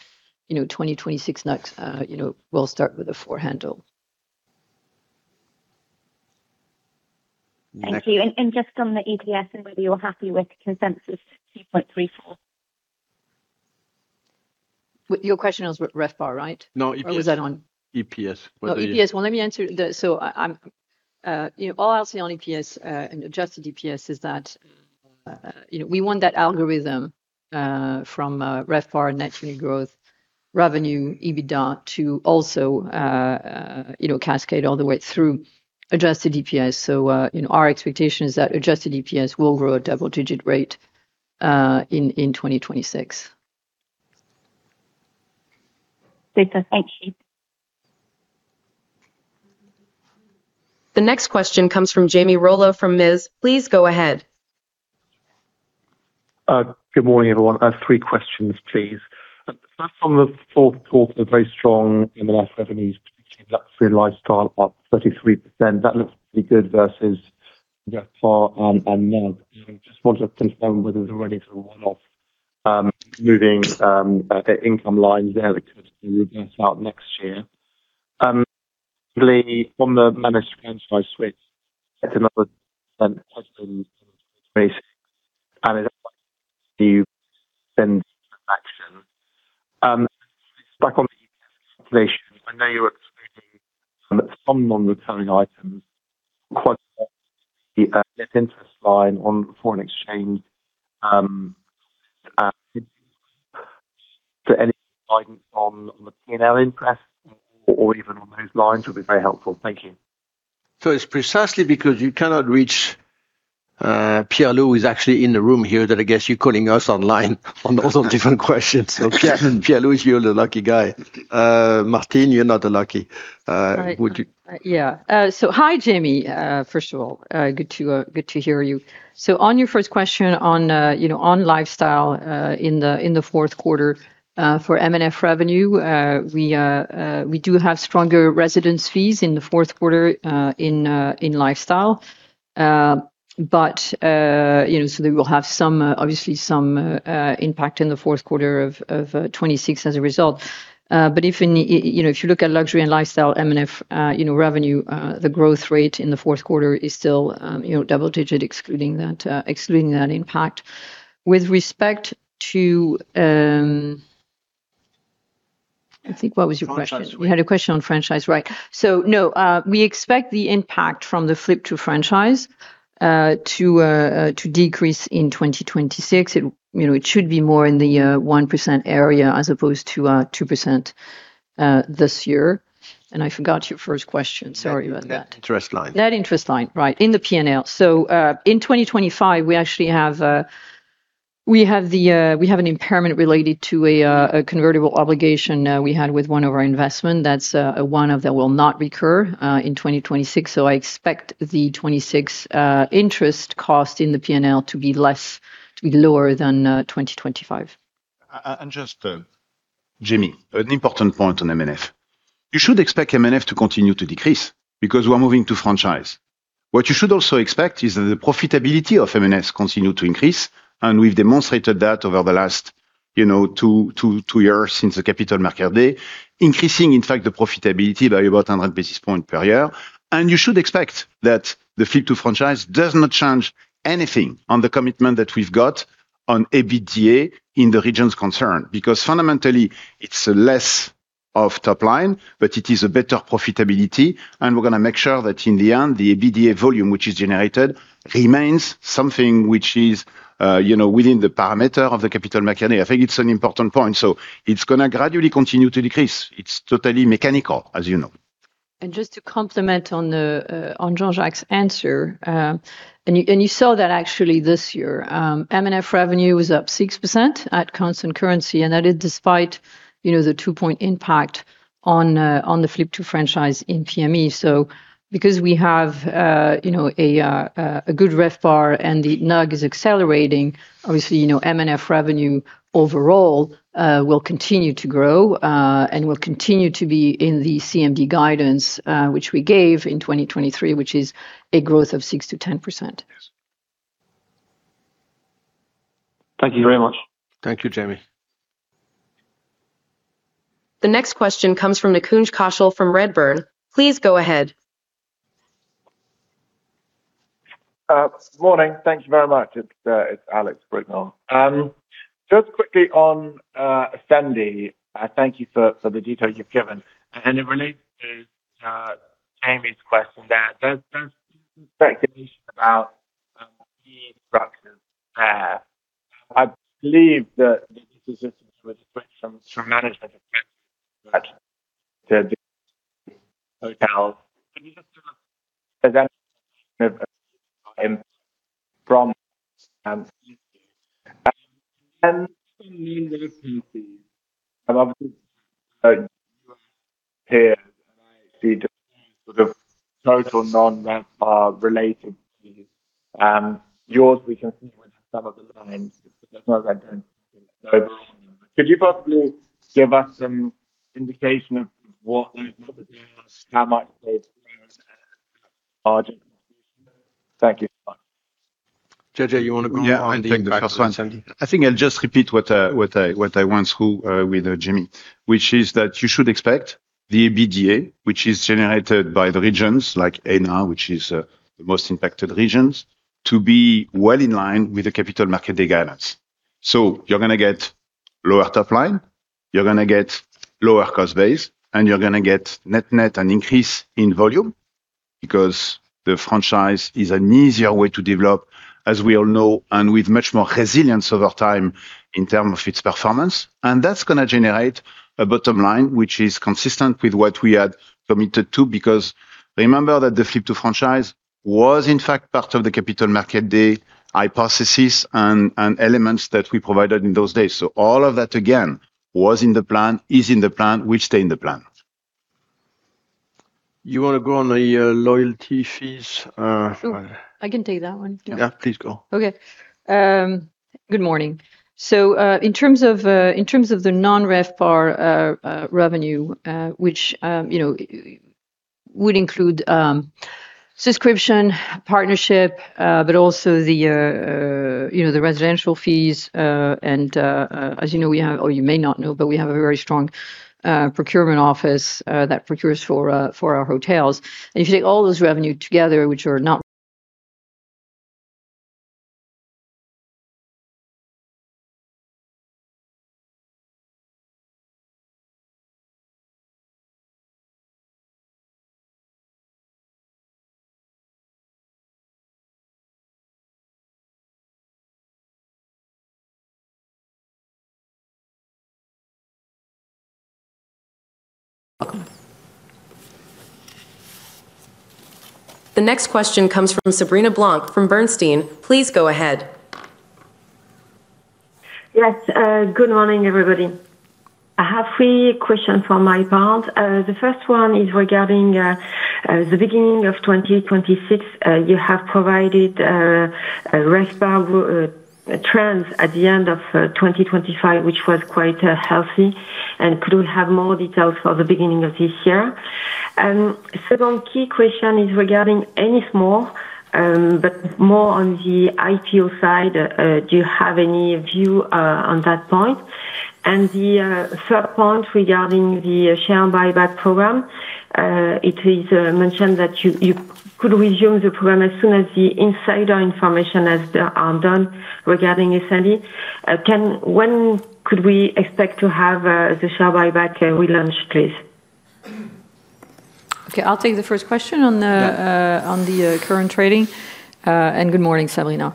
you know, 2026 NUG, you know, we'll start with the four handle.
Thank you. And just on the EPS and whether you're happy with consensus 2.34?
Your question was RevPAR, right?
No, EPS.
Or was that on-
EPS.
Oh, EPS. Well, let me answer that. So I'm, you know, all I'll say on EPS and adjusted EPS is that, you know, we want that algorithm from RevPAR, net unit growth, revenue, EBITDA, to also, you know, cascade all the way through adjusted EPS. So, you know, our expectation is that adjusted EPS will grow a double-digit rate in 2026.
Great. Thank you.
The next question comes from Jamie Rollo, from Morgan Stanley. Please go ahead.
Good morning, everyone. I have three questions, please. The first on the fourth quarter, very strong in the last revenues, luxury lifestyle, up 33%. That looks pretty good versus that far on, on NUG. Just wanted to confirm whether there's already a one-off, moving, the income lines there that could reverse out next year. From the managed franchise switch, it's another- and action. Back on the EPS population, I know you're excluding some non-recurring items, quite, net interest line on foreign exchange, to any guidance on, on the P&L interest or even on those lines would be very helpful. Thank you.
So it's precisely because you cannot reach Pierre-Loup, who is actually in the room here, that I guess you're calling us online on those on different questions. So, Pierre-Loup, you're the lucky guy. Martine, you're not the lucky. Would you-
Yeah. So hi, Jamie. First of all, good to, good to hear you. So on your first question on, you know, on lifestyle, in the, in the fourth quarter, for M&F revenue, we, we do have stronger residence fees in the fourth quarter, in, in lifestyle. But, you know, so they will have some, obviously some, impact in the fourth quarter of 2026 as a result. But if you know, if you look at Luxury & Lifestyle, M&F, you know, revenue, the growth rate in the fourth quarter is still, you know, double digit, excluding that, excluding that impact. With respect to, I think, what was your question?
Franchise.
We had a question on franchise, right. So no, we expect the impact from the flip to franchise to decrease in 2026. It, you know, it should be more in the 1% area as opposed to 2% this year. And I forgot your first question. Sorry about that.
Interest line.
Net interest line, right, in the P&L. So, in 2025, we actually have, we have the, we have an impairment related to a, a convertible obligation, we had with one of our investment. That's, a one-off that will not recur, in 2026. So I expect the 2026, interest cost in the P&L to be less, to be lower than, 2025.
And just, Jamie, an important point on M&F. You should expect M&F to continue to decrease because we're moving to franchise. What you should also expect is that the profitability of M&F continue to increase, and we've demonstrated that over the last, you know, two years since the Capital Market Day, increasing, in fact, the profitability by about 100 basis point per year. And you should expect that the flip to franchise does not change anything on the commitment that we've got on EBITDA in the regions concerned, because fundamentally, it's less of top line, but it is a better profitability. And we're going to make sure that in the end, the EBITDA volume, which is generated, remains something which is, you know, within the parameter of the Capital Markets Day. I think it's an important point. It's going to gradually continue to decrease. It's totally mechanical, as you know.
Just to comment on Jean-Jacques's answer, and you saw that actually this year, M&F revenue was up 6% at constant currency, and that is despite, you know, the two-point impact on the flip to franchise in PME. So because we have, you know, a good RevPAR and the NUG is accelerating, obviously, you know, M&F revenue overall will continue to grow, and will continue to be in the CMD guidance, which we gave in 2023, which is a growth of 6%-10%.
Yes.
Thank you very much.
Thank you, Jamie.
The next question comes from Nikunj Kaushal from Redburn. Please go ahead.
Good morning. Thank you very much. It's Alex Brignall. Just quickly on Ascendi, thank you for the details you've given. And in relation to Jamie's question there, there's speculation about the instructions there. I believe that the resistance with some from management at the hotel. From, And obviously, here, and I see the sort of total non-RevPAR are related to yours. We can see some of the lines, but as well as I don't. Could you possibly give us some indication of what, how much they are? Thank you.
J.J., you want to go on?
Yeah, I'll take the first one. I think I'll just repeat what I went through with Jimmy, which is that you should expect the EBITDA, which is generated by the regions like ANAR, which is the most impacted regions, to be well in line with the Capital Market Day guidance. So you're going to get lower top line, you're going to get lower cost base, and you're going to get net-net an increase in volume, because the franchise is an easier way to develop, as we all know, and with much more resilience over time in terms of its performance. And that's going to generate a bottom line, which is consistent with what we had committed to. Because remember that the flip to franchise was in fact part of the Capital Market Day hypothesis and elements that we provided in those days. So all of that, again, was in the plan, is in the plan, will stay in the plan. You want to go on the loyalty fees?
Sure, I can take that one.
Yeah, please go.
Okay. Good morning. So, in terms of the non-RevPAR revenue, which you know would include subscription, partnership, but also the you know the residential fees, and as you know, we have or you may not know, but we have a very strong procurement office that procures for our hotels. And if you take all those revenue together, which are not-
The next question comes from Sabrina Blanc, from Bernstein. Please go ahead.
Yes, good morning, everybody. I have three questions from my part. The first one is regarding the beginning of 2026. You have provided a RevPAR trends at the end of 2025, which was quite healthy. And could we have more details for the beginning of this year? Second key question is regarding Ennismore, but more on the IPO side. Do you have any view on that point? And the third point regarding the share buyback program, it is mentioned that you could resume the program as soon as the insider information has are done regarding S&D. When could we expect to have the share buyback relaunched, please?
Okay, I'll take the first question on the,
Yeah
On the current trading. Good morning, Sabrina.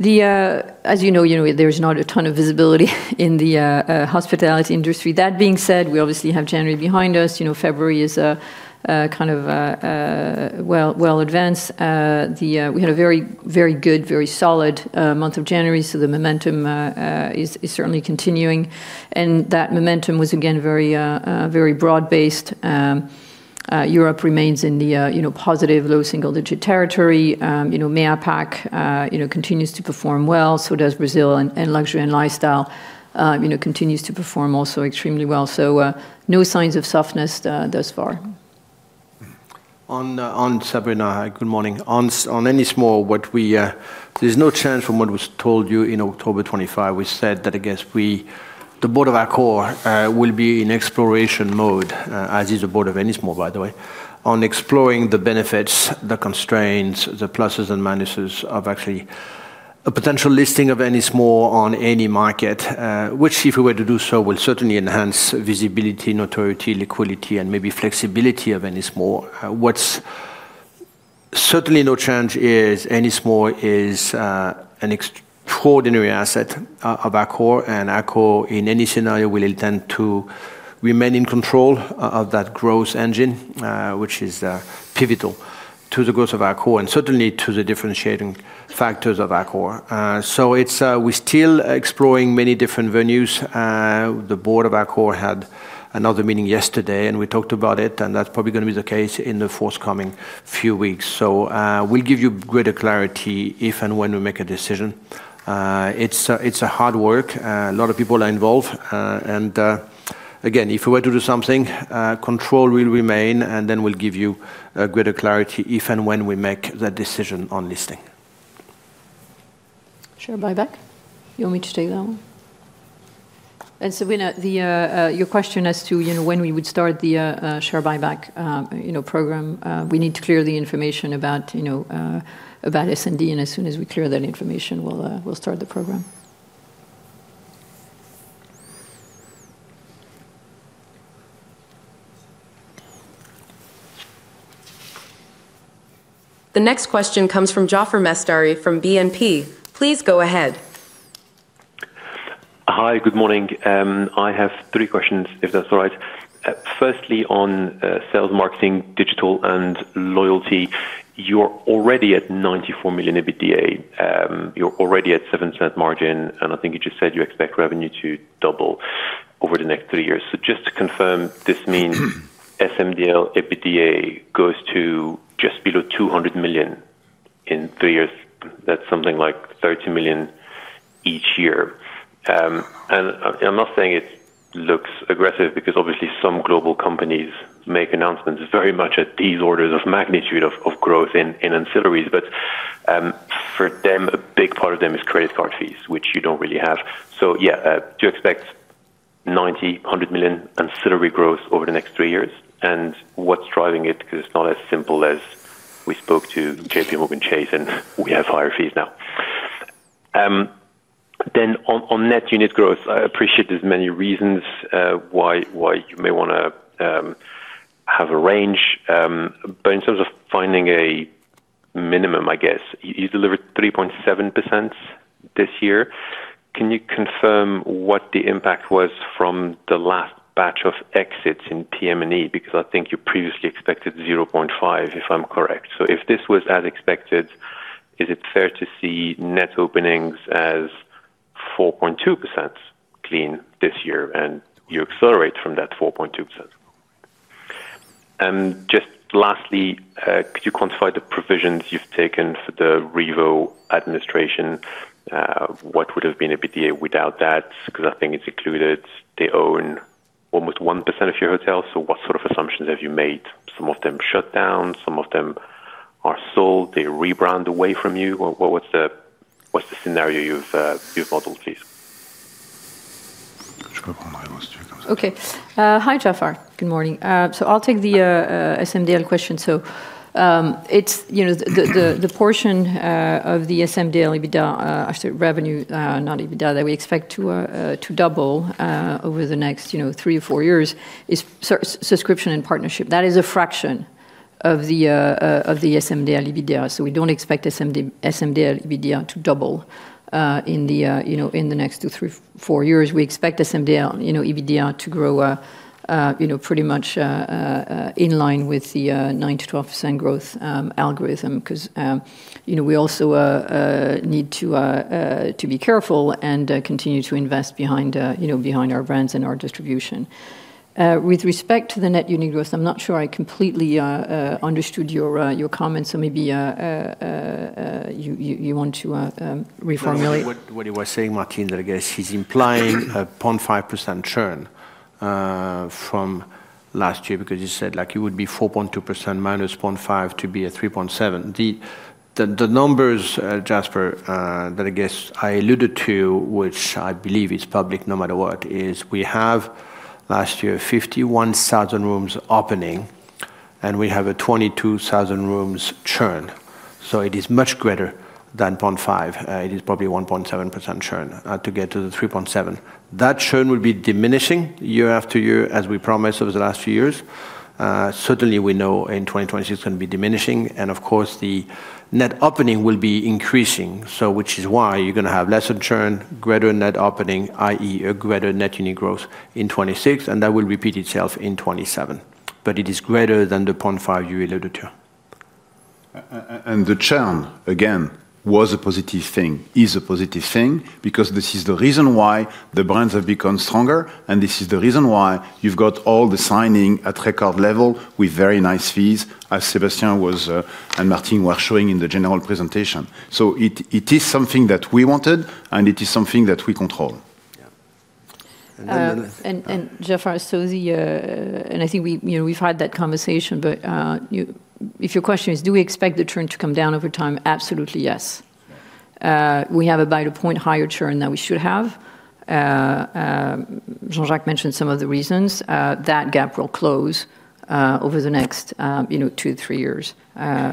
As you know, you know, there's not a ton of visibility in the hospitality industry. That being said, we obviously have January behind us. You know, February is kind of well, well advanced. We had a very, very good, very solid month of January, so the momentum is certainly continuing, and that momentum was, again, very, very broad-based. Europe remains in the, you know, positive, low single-digit territory. You know, MEA APAC continues to perform well, so does Brazil, and Luxury & Lifestyle, you know, continues to perform also extremely well. No signs of softness thus far.
On Sabrina, hi, good morning. On Ennismore, what we, there's no change from what was told you in October 2025. We said that, I guess we, the board of Accor, will be in exploration mode, as is the board of Ennismore, by the way, on exploring the benefits, the constraints, the pluses and minuses of actually a potential listing of Ennismore on any market, which, if we were to do so, will certainly enhance visibility, notoriety, liquidity, and maybe flexibility of Ennismore. What's certainly no change is Ennismore is an extraordinary asset of Accor, and Accor, in any scenario, will intend to remain in control of that growth engine, which is pivotal to the growth of Accor and certainly to the differentiating factors of Accor. So it's, we're still exploring many different venues. The board of Accor had another meeting yesterday, and we talked about it, and that's probably gonna be the case in the forthcoming few weeks. So, we'll give you greater clarity if and when we make a decision. It's a, it's a hard work. A lot of people are involved. And, again, if we were to do something, control will remain, and then we'll give you greater clarity if and when we make the decision on listing.
Share buyback? You want me to take that one? And Sabrina, your question as to, you know, when we would start the share buyback, you know, program, we need to clear the information about, you know, about S&D, and as soon as we clear that information, we'll, we'll start the program.
The next question comes from Jaafar Mestari from BNP. Please go ahead.
Hi, good morning. I have three questions, if that's all right. Firstly, on sales, marketing, digital, and loyalty, you're already at 94 million EBITDA. You're already at 7% margin, and I think you just said you expect revenue to double over the next three years. So just to confirm, this means-
Mm-hmm...
SMDL EBITDA goes to just below 200 million in three years. That's something like 32 million each year. And I'm not saying it looks aggressive because obviously some global companies make announcements very much at these orders of magnitude of growth in ancillaries, but for them, a big part of them is credit card fees, which you don't really have. So yeah, do you expect 90-100 million ancillary growth over the next three years? And what's driving it? Because it's not as simple as we spoke to JPMorgan Chase, and we have higher fees now. Then on net unit growth, I appreciate there's many reasons why you may wanna have a range, but in terms of finding a minimum, I guess you've delivered 3.7% this year. Can you confirm what the impact was from the last batch of exits in PM and E? Because I think you previously expected 0.5, if I'm correct. So if this was as expected, is it fair to see net openings as 4.2% clean this year, and you accelerate from that 4.2%? And just lastly, could you quantify the provisions you've taken for the Revo administration? What would have been EBITDA without that? Because I think it's included. They own almost 1% of your hotels, so what sort of assumptions have you made? Some of them shut down, some of them are sold, they rebrand away from you. What's the scenario you've modeled, please?
Okay. Hi, Jaafar. Good morning. So I'll take the SMDL question. So, it's, you know, the portion of the SMDL EBITDA, actually revenue, not EBITDA, that we expect to double over the next, you know, three or four years is subscription and partnership. That is a fraction of the of the SMDL EBITDA, so we don't expect SMDL EBITDA to double in the, you know, in the next two, three, four years. We expect SMDL, you know, EBITDA to grow, you know, pretty much in line with the 9%-12% growth algorithm 'cause, you know, we also need to be careful and continue to invest behind, you know, behind our brands and our distribution. With respect to the net unit growth, I'm not sure I completely understood your comment, so maybe you want to reformulate.
What he was saying, Martine, I guess, he's implying a 0.5% churn from last year because you said, like, it would be 4.2% -0.5 to be a 3.7. The numbers, Jaafar, that I guess I alluded to, which I believe is public no matter what, is we have last year, 51,000 rooms opening and we have a 22,000 rooms churn, so it is much greater than 0.5. It is probably 1.7% churn to get to the 3.7. That churn will be diminishing year after year, as we promised over the last few years. Certainly, we know in 2026 it's going to be diminishing, and of course, the net opening will be increasing. So which is why you're going to have lesser churn, greater net opening, i.e., a greater net unit growth in 2026, and that will repeat itself in 2027. But it is greater than the 0.5 you alluded to.
And the churn, again, was a positive thing, is a positive thing, because this is the reason why the brands have become stronger, and this is the reason why you've got all the signings at record level with very nice fees, as Sébastien was and Martine were showing in the general presentation. So it is something that we wanted, and it is something that we control.
Yeah.
Jaafar, I think we, you know, we've had that conversation, but, if your question is, do we expect the churn to come down over time? Absolutely, yes.
Yeah.
We have about a point higher churn than we should have. Jean-Jacques mentioned some of the reasons that gap will close over the next, you know, two, three years.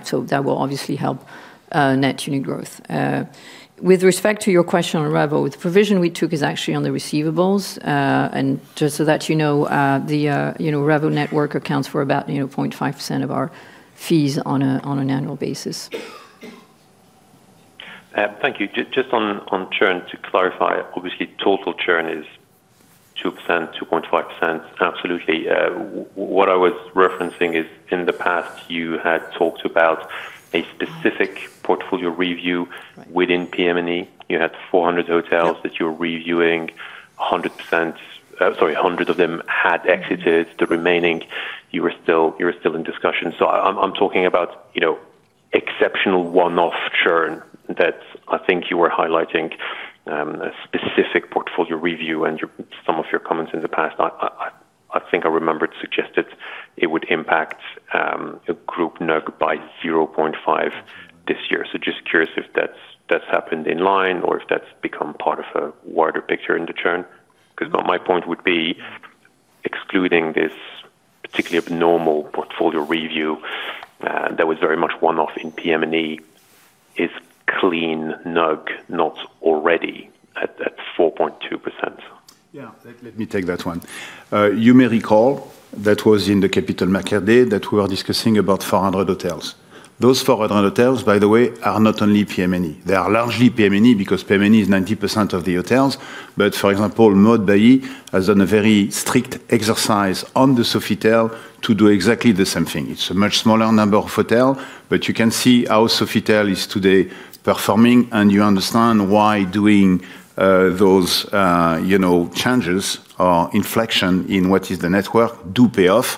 So that will obviously help net unit growth. With respect to your question on Revo, the provision we took is actually on the receivables. And just so that you know, the, you know, Revo network accounts for about, you know, 0.5% of our fees on an annual basis.
Thank you. Just on churn, to clarify, obviously, total churn is 2%, 2.5%. Absolutely. What I was referencing is, in the past, you had talked about a specific portfolio review within PM&E. You had 400 hotels that you were reviewing, 100% - sorry, 100 of them had exited. The remaining, you were still in discussion. So I'm talking about, you know, exceptional one-off churn that I think you were highlighting, a specific portfolio review and some of your comments in the past. I think I remembered suggested it would impact a group NUG by 0.5 this year. So just curious if that's happened in line or if that's become part of a wider picture in the churn. Because my point would be, excluding this particularly abnormal portfolio review, that was very much one-off in PM&E, is clean NUG not already at 4.2%?
Yeah, let me take that one. You may recall that was in the Capital Market Day that we were discussing about 400 hotels. Those 400 hotels, by the way, are not only PM&E. They are largely PM&E because PM&E is 90% of the hotels. But for example, Maud Bailly has done a very strict exercise on the Sofitel to do exactly the same thing. It's a much smaller number of hotel, but you can see how Sofitel is today performing, and you understand why doing those, you know, changes or inflection in what is the network do pay off.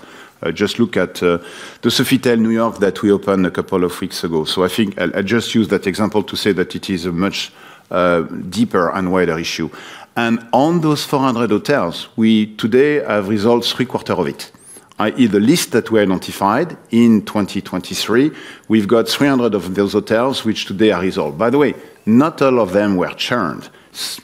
Just look at the Sofitel New York that we opened a couple of weeks ago. So I think I'll just use that example to say that it is a much deeper and wider issue. On those 400 hotels, we today have resolved three-quarters of it, i.e., the list that we identified in 2023, we've got 300 of those hotels, which today are resolved. By the way, not all of them were churned.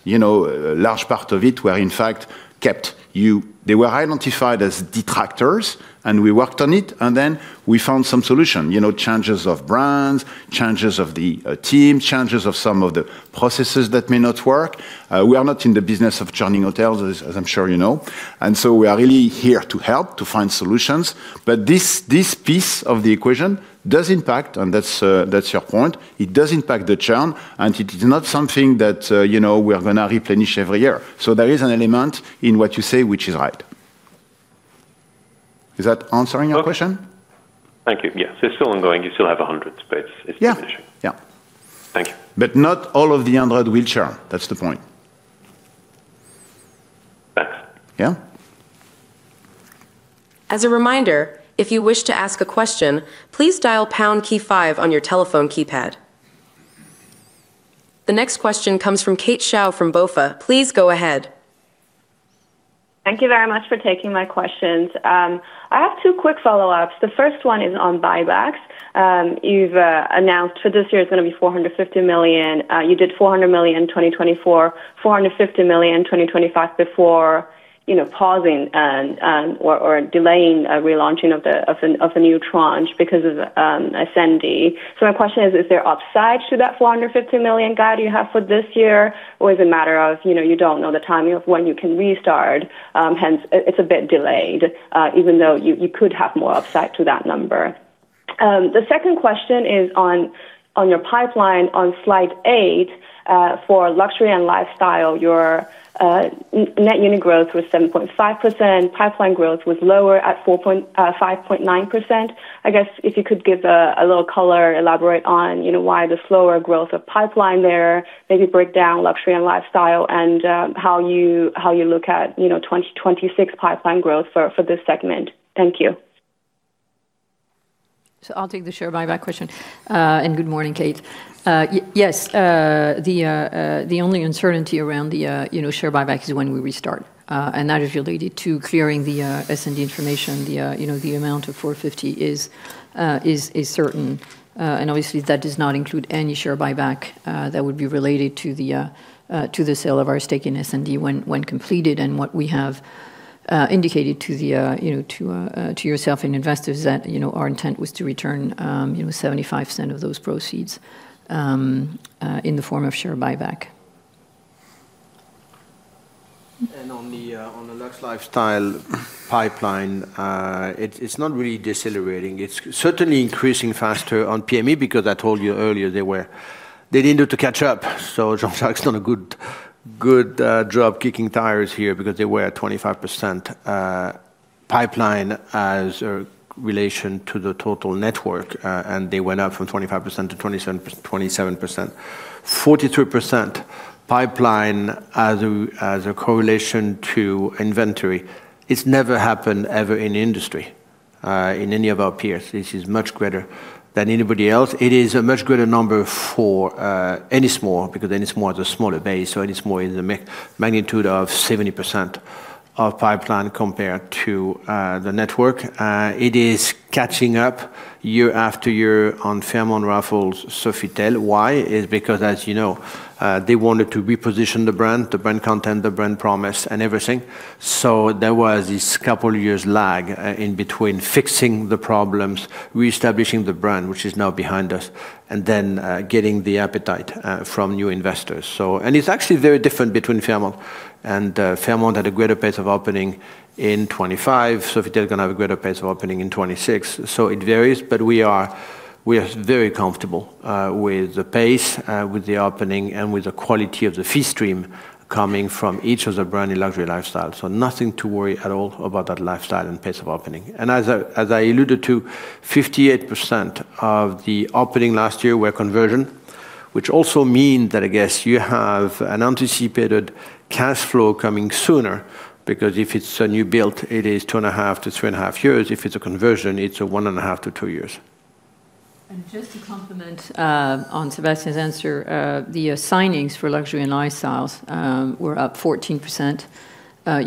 You know, a large part of it were, in fact, kept. They were identified as detractors, and we worked on it, and then we found some solution, you know, changes of brands, changes of the team, changes of some of the processes that may not work. We are not in the business of churning hotels, as I'm sure you know, and so we are really here to help to find solutions. But this, this piece of the equation does impact, and that's your point. It does impact the churn, and it is not something that, you know, we are going to replenish every year. So there is an element in what you say, which is right. Is that answering your question?
Thank you. Yes, it's still ongoing. You still have 100, but it's, it's the issue.
Yeah. Yeah.
Thank you.
But not all of the 100 will churn. That's the point.
Thanks.
Yeah.
As a reminder, if you wish to ask a question, please dial pound key five on your telephone keypad. The next question comes from Kate Xiao from Bank of America. Please go ahead.
Thank you very much for taking my questions. I have two quick follow-ups. The first one is on buybacks. You've announced for this year, it's gonna be 450 million. You did 400 million in 2024, 450 million in 2025 before, you know, pausing and, or, or delaying a relaunching of the, of the, of the new tranche because of, Ascendi. So my question is, is there upside to that 450 million guide you have for this year, or is it a matter of, you know, you don't know the timing of when you can restart, hence, it, it's a bit delayed, even though you, you could have more upside to that number? The second question is on your pipeline on slide eight, for Luxury & Lifestyle, your net unit growth was 7.5%. Pipeline growth was lower at 5.9%. I guess if you could give a little color, elaborate on, you know, why the slower growth of pipeline there, maybe break down Luxury & Lifestyle and, how you look at, you know, 2026 pipeline growth for this segment. Thank you.
So I'll take the share buyback question. And good morning, Kate. Yes, the only uncertainty around the, you know, share buyback is when we restart. And that is related to clearing the SND information, the, you know, the amount of 450 is certain, and obviously that does not include any share buyback that would be related to the sale of our stake in S&D when completed. And what we have indicated to the, you know, to yourself and investors that, you know, our intent was to return, you know, 75% of those proceeds in the form of share buyback.
On the Lux lifestyle pipeline, it's not really decelerating. It's certainly increasing faster on PME, because I told you earlier, they needed to catch up. So Jean-Jacques done a good job kicking tires here because they were at 25% pipeline as a relation to the total network, and they went up from 25%-27%. 43% pipeline as a correlation to inventory, it's never happened ever in the industry in any of our peers. This is much greater than anybody else. It is a much greater number for Ennismore, because Ennismore is a smaller base, so it is more in the magnitude of 70% of pipeline compared to the network. It is catching up year after year on Fairmont Raffles Sofitel. Why? It's because, as you know, they wanted to reposition the brand, the brand content, the brand promise, and everything. So there was this couple years lag in between fixing the problems, reestablishing the brand, which is now behind us, and then getting the appetite from new investors. So... and it's actually very different between Fairmont, and Fairmont had a greater pace of opening in 2025. Sofitel is going to have a greater pace of opening in 2026. So it varies, but we are, we are very comfortable with the pace with the opening and with the quality of the fee stream coming from each of the brand new luxury lifestyle. So nothing to worry at all about that lifestyle and pace of opening. As I, as I alluded to, 58% of the openings last year were conversions, which also means that, I guess, you have an anticipated cash flow coming sooner, because if it's a new build, it is 2.5-3.5 years. If it's a conversion, it's 1.5-two years.
And just to complement, on Sébastien's answer, the signings for Luxury & Lifestyles were up 14%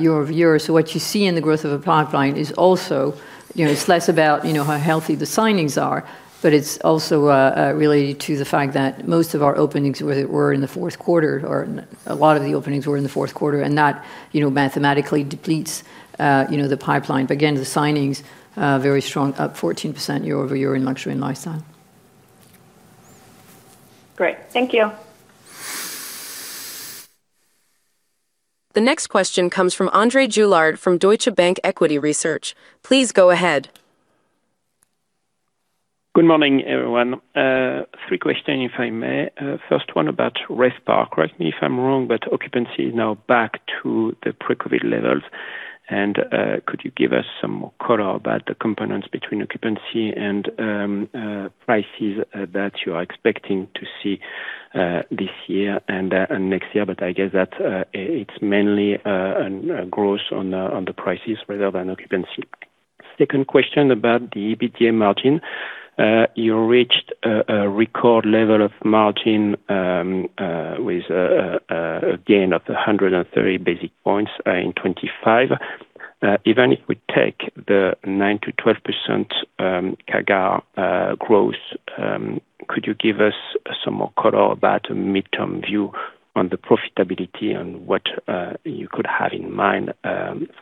year-over-year. So what you see in the growth of a pipeline is also, you know, it's less about, you know, how healthy the signings are, but it's also related to the fact that most of our openings were in the fourth quarter, or a lot of the openings were in the fourth quarter, and that, you know, mathematically depletes, you know, the pipeline. But again, the signings very strong, up 14% year-over-year in Luxury & Lifestyle.
Great. Thank you.
The next question comes from André Juillard from Deutsche Bank Equity Research. Please go ahead.
Good morning, everyone. Three questions, if I may. First one about RevPAR. Correct me if I'm wrong, but occupancy is now back to the pre-COVID levels. And could you give us some more color about the components between occupancy and prices that you are expecting to see this year and next year? But I guess that it's mainly growth on the prices rather than occupancy. Second question about the EBITDA margin. You reached a record level of margin with a gain of 130 basis points in 2025. Even if we take the 9%-12% CAGR growth, could you give us some more color about a midterm view on the profitability and what you could have in mind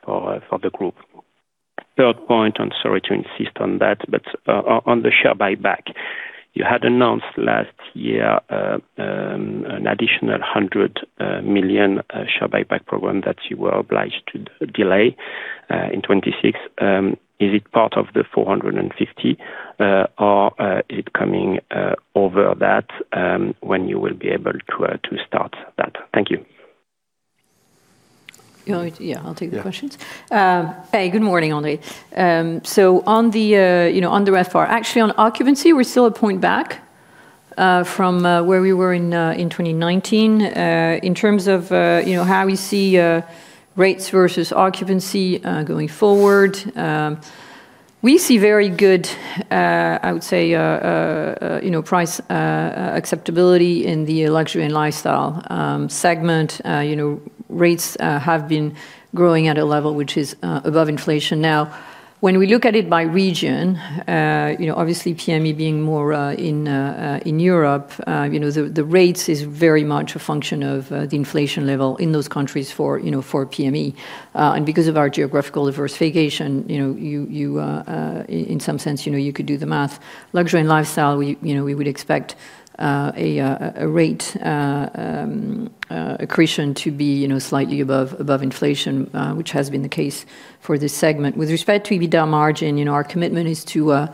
for the group? Third point, I'm sorry to insist on that, but on the share buyback. You had announced last year an additional 100 million share buyback program that you were obliged to delay in 2026. Is it part of the 450? Or it coming over that, when you will be able to start that? Thank you.
Yeah, I'll take the questions.
Yeah.
Hey, good morning, André. So on the, you know, on the RevPAR, actually, on occupancy, we're still a point back, from where we were in 2019. In terms of, you know, how we see rates versus occupancy going forward, we see very good, I would say, you know, price acceptability in the Luxury & Lifestyle segment. You know, rates have been growing at a level which is above inflation. Now, when we look at it by region, you know, obviously, PME being more in Europe, you know, the rates is very much a function of the inflation level in those countries for PME. And because of our geographical diversification, you know, you in some sense, you know, you could do the math. Luxury & Lifestyle, we, you know, we would expect a rate accretion to be, you know, slightly above inflation, which has been the case for this segment. With respect to EBITDA margin, you know, our commitment is to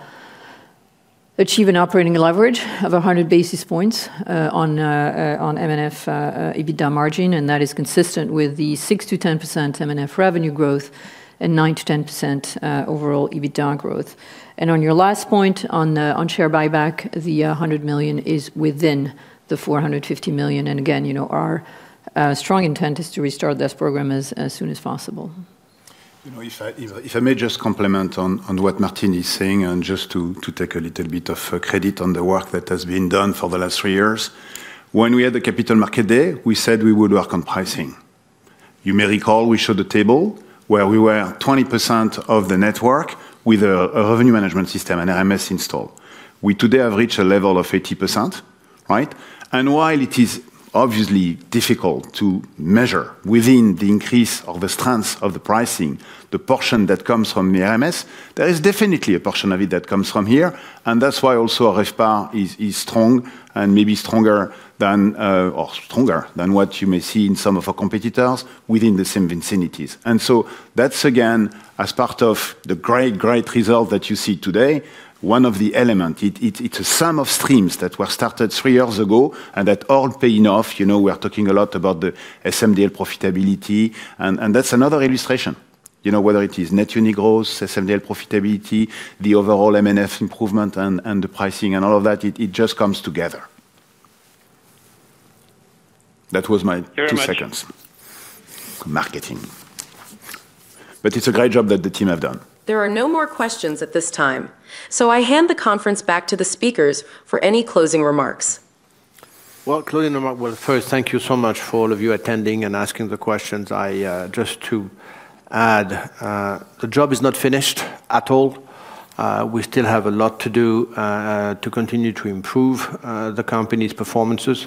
achieve an operating leverage of 100 basis points on M&F EBITDA margin, and that is consistent with the 6%-10% M&F revenue growth and 9%-10% overall EBITDA growth. On your last point on share buyback, the 100 million is within the 450 million, and again, you know, our strong intent is to restart this program as soon as possible.
You know, if I may just comment on what Martine is saying, and just to take a little bit of credit on the work that has been done for the last three years. When we had the Capital Market Day, we said we would work on pricing... You may recall, we showed a table where we were 20% of the network with a revenue management system, an RMS install. We today have reached a level of 80%, right? And while it is obviously difficult to measure within the increase of the strengths of the pricing, the portion that comes from the RMS, there is definitely a portion of it that comes from here, and that's why also RevPAR is, is strong and maybe stronger than, or stronger than what you may see in some of our competitors within the same vicinities. And so that's again, as part of the great, great result that you see today, one of the elements. It, it, it's a sum of streams that were started three years ago and that all paying off. You know, we are talking a lot about the SMDL profitability, and, and that's another illustration. You know, whether it is net unit growth, SMDL profitability, the overall M&F improvement and, and the pricing and all of that, it, it just comes together. That was my two seconds-
Very much.
Marketing. But it's a great job that the team have done.
There are no more questions at this time, so I hand the conference back to the speakers for any closing remarks.
Well, closing remark. Well, first, thank you so much for all of you attending and asking the questions. I just to add, the job is not finished at all. We still have a lot to do to continue to improve the company's performances.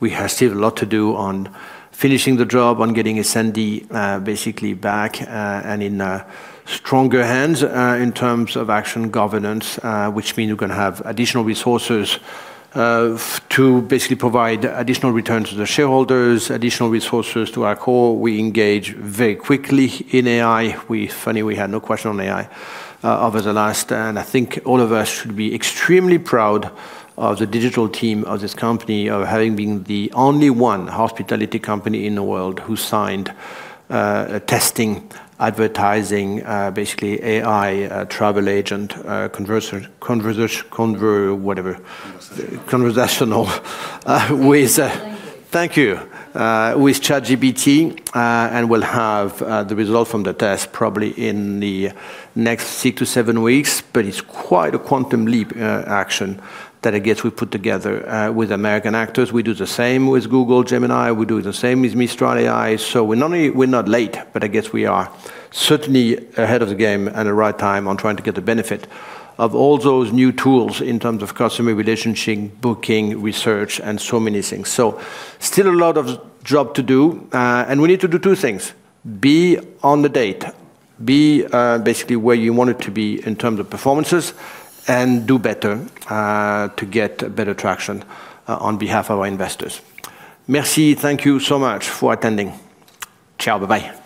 We have still a lot to do on finishing the job, on getting Ascendi basically back and in stronger hands in terms of action governance, which mean we're gonna have additional resources to basically provide additional return to the shareholders, additional resources to our core. We engage very quickly in AI. Funny, we had no question on AI over the last, and I think all of us should be extremely proud of the digital team of this company, of having been the only one hospitality company in the world who signed a testing, advertising, basically AI travel agent, conversational, whatever. Conversational, with. Thank you. With ChatGPT, and we'll have the result from the test probably in the next six-seven weeks, but it's quite a quantum leap, action that I guess we put together, with American actors. We do the same with Google Gemini, we do the same with Mistral AI. So we're not only, we're not late, but I guess we are certainly ahead of the game at the right time on trying to get the benefit of all those new tools in terms of customer relationship, booking, research, and so many things. So still a lot of job to do, and we need to do two things: be on the date, be, basically where you want it to be in terms of performances, and do better, to get better traction on behalf of our investors. Merci, thank you so much for attending. Ciao, bye-bye.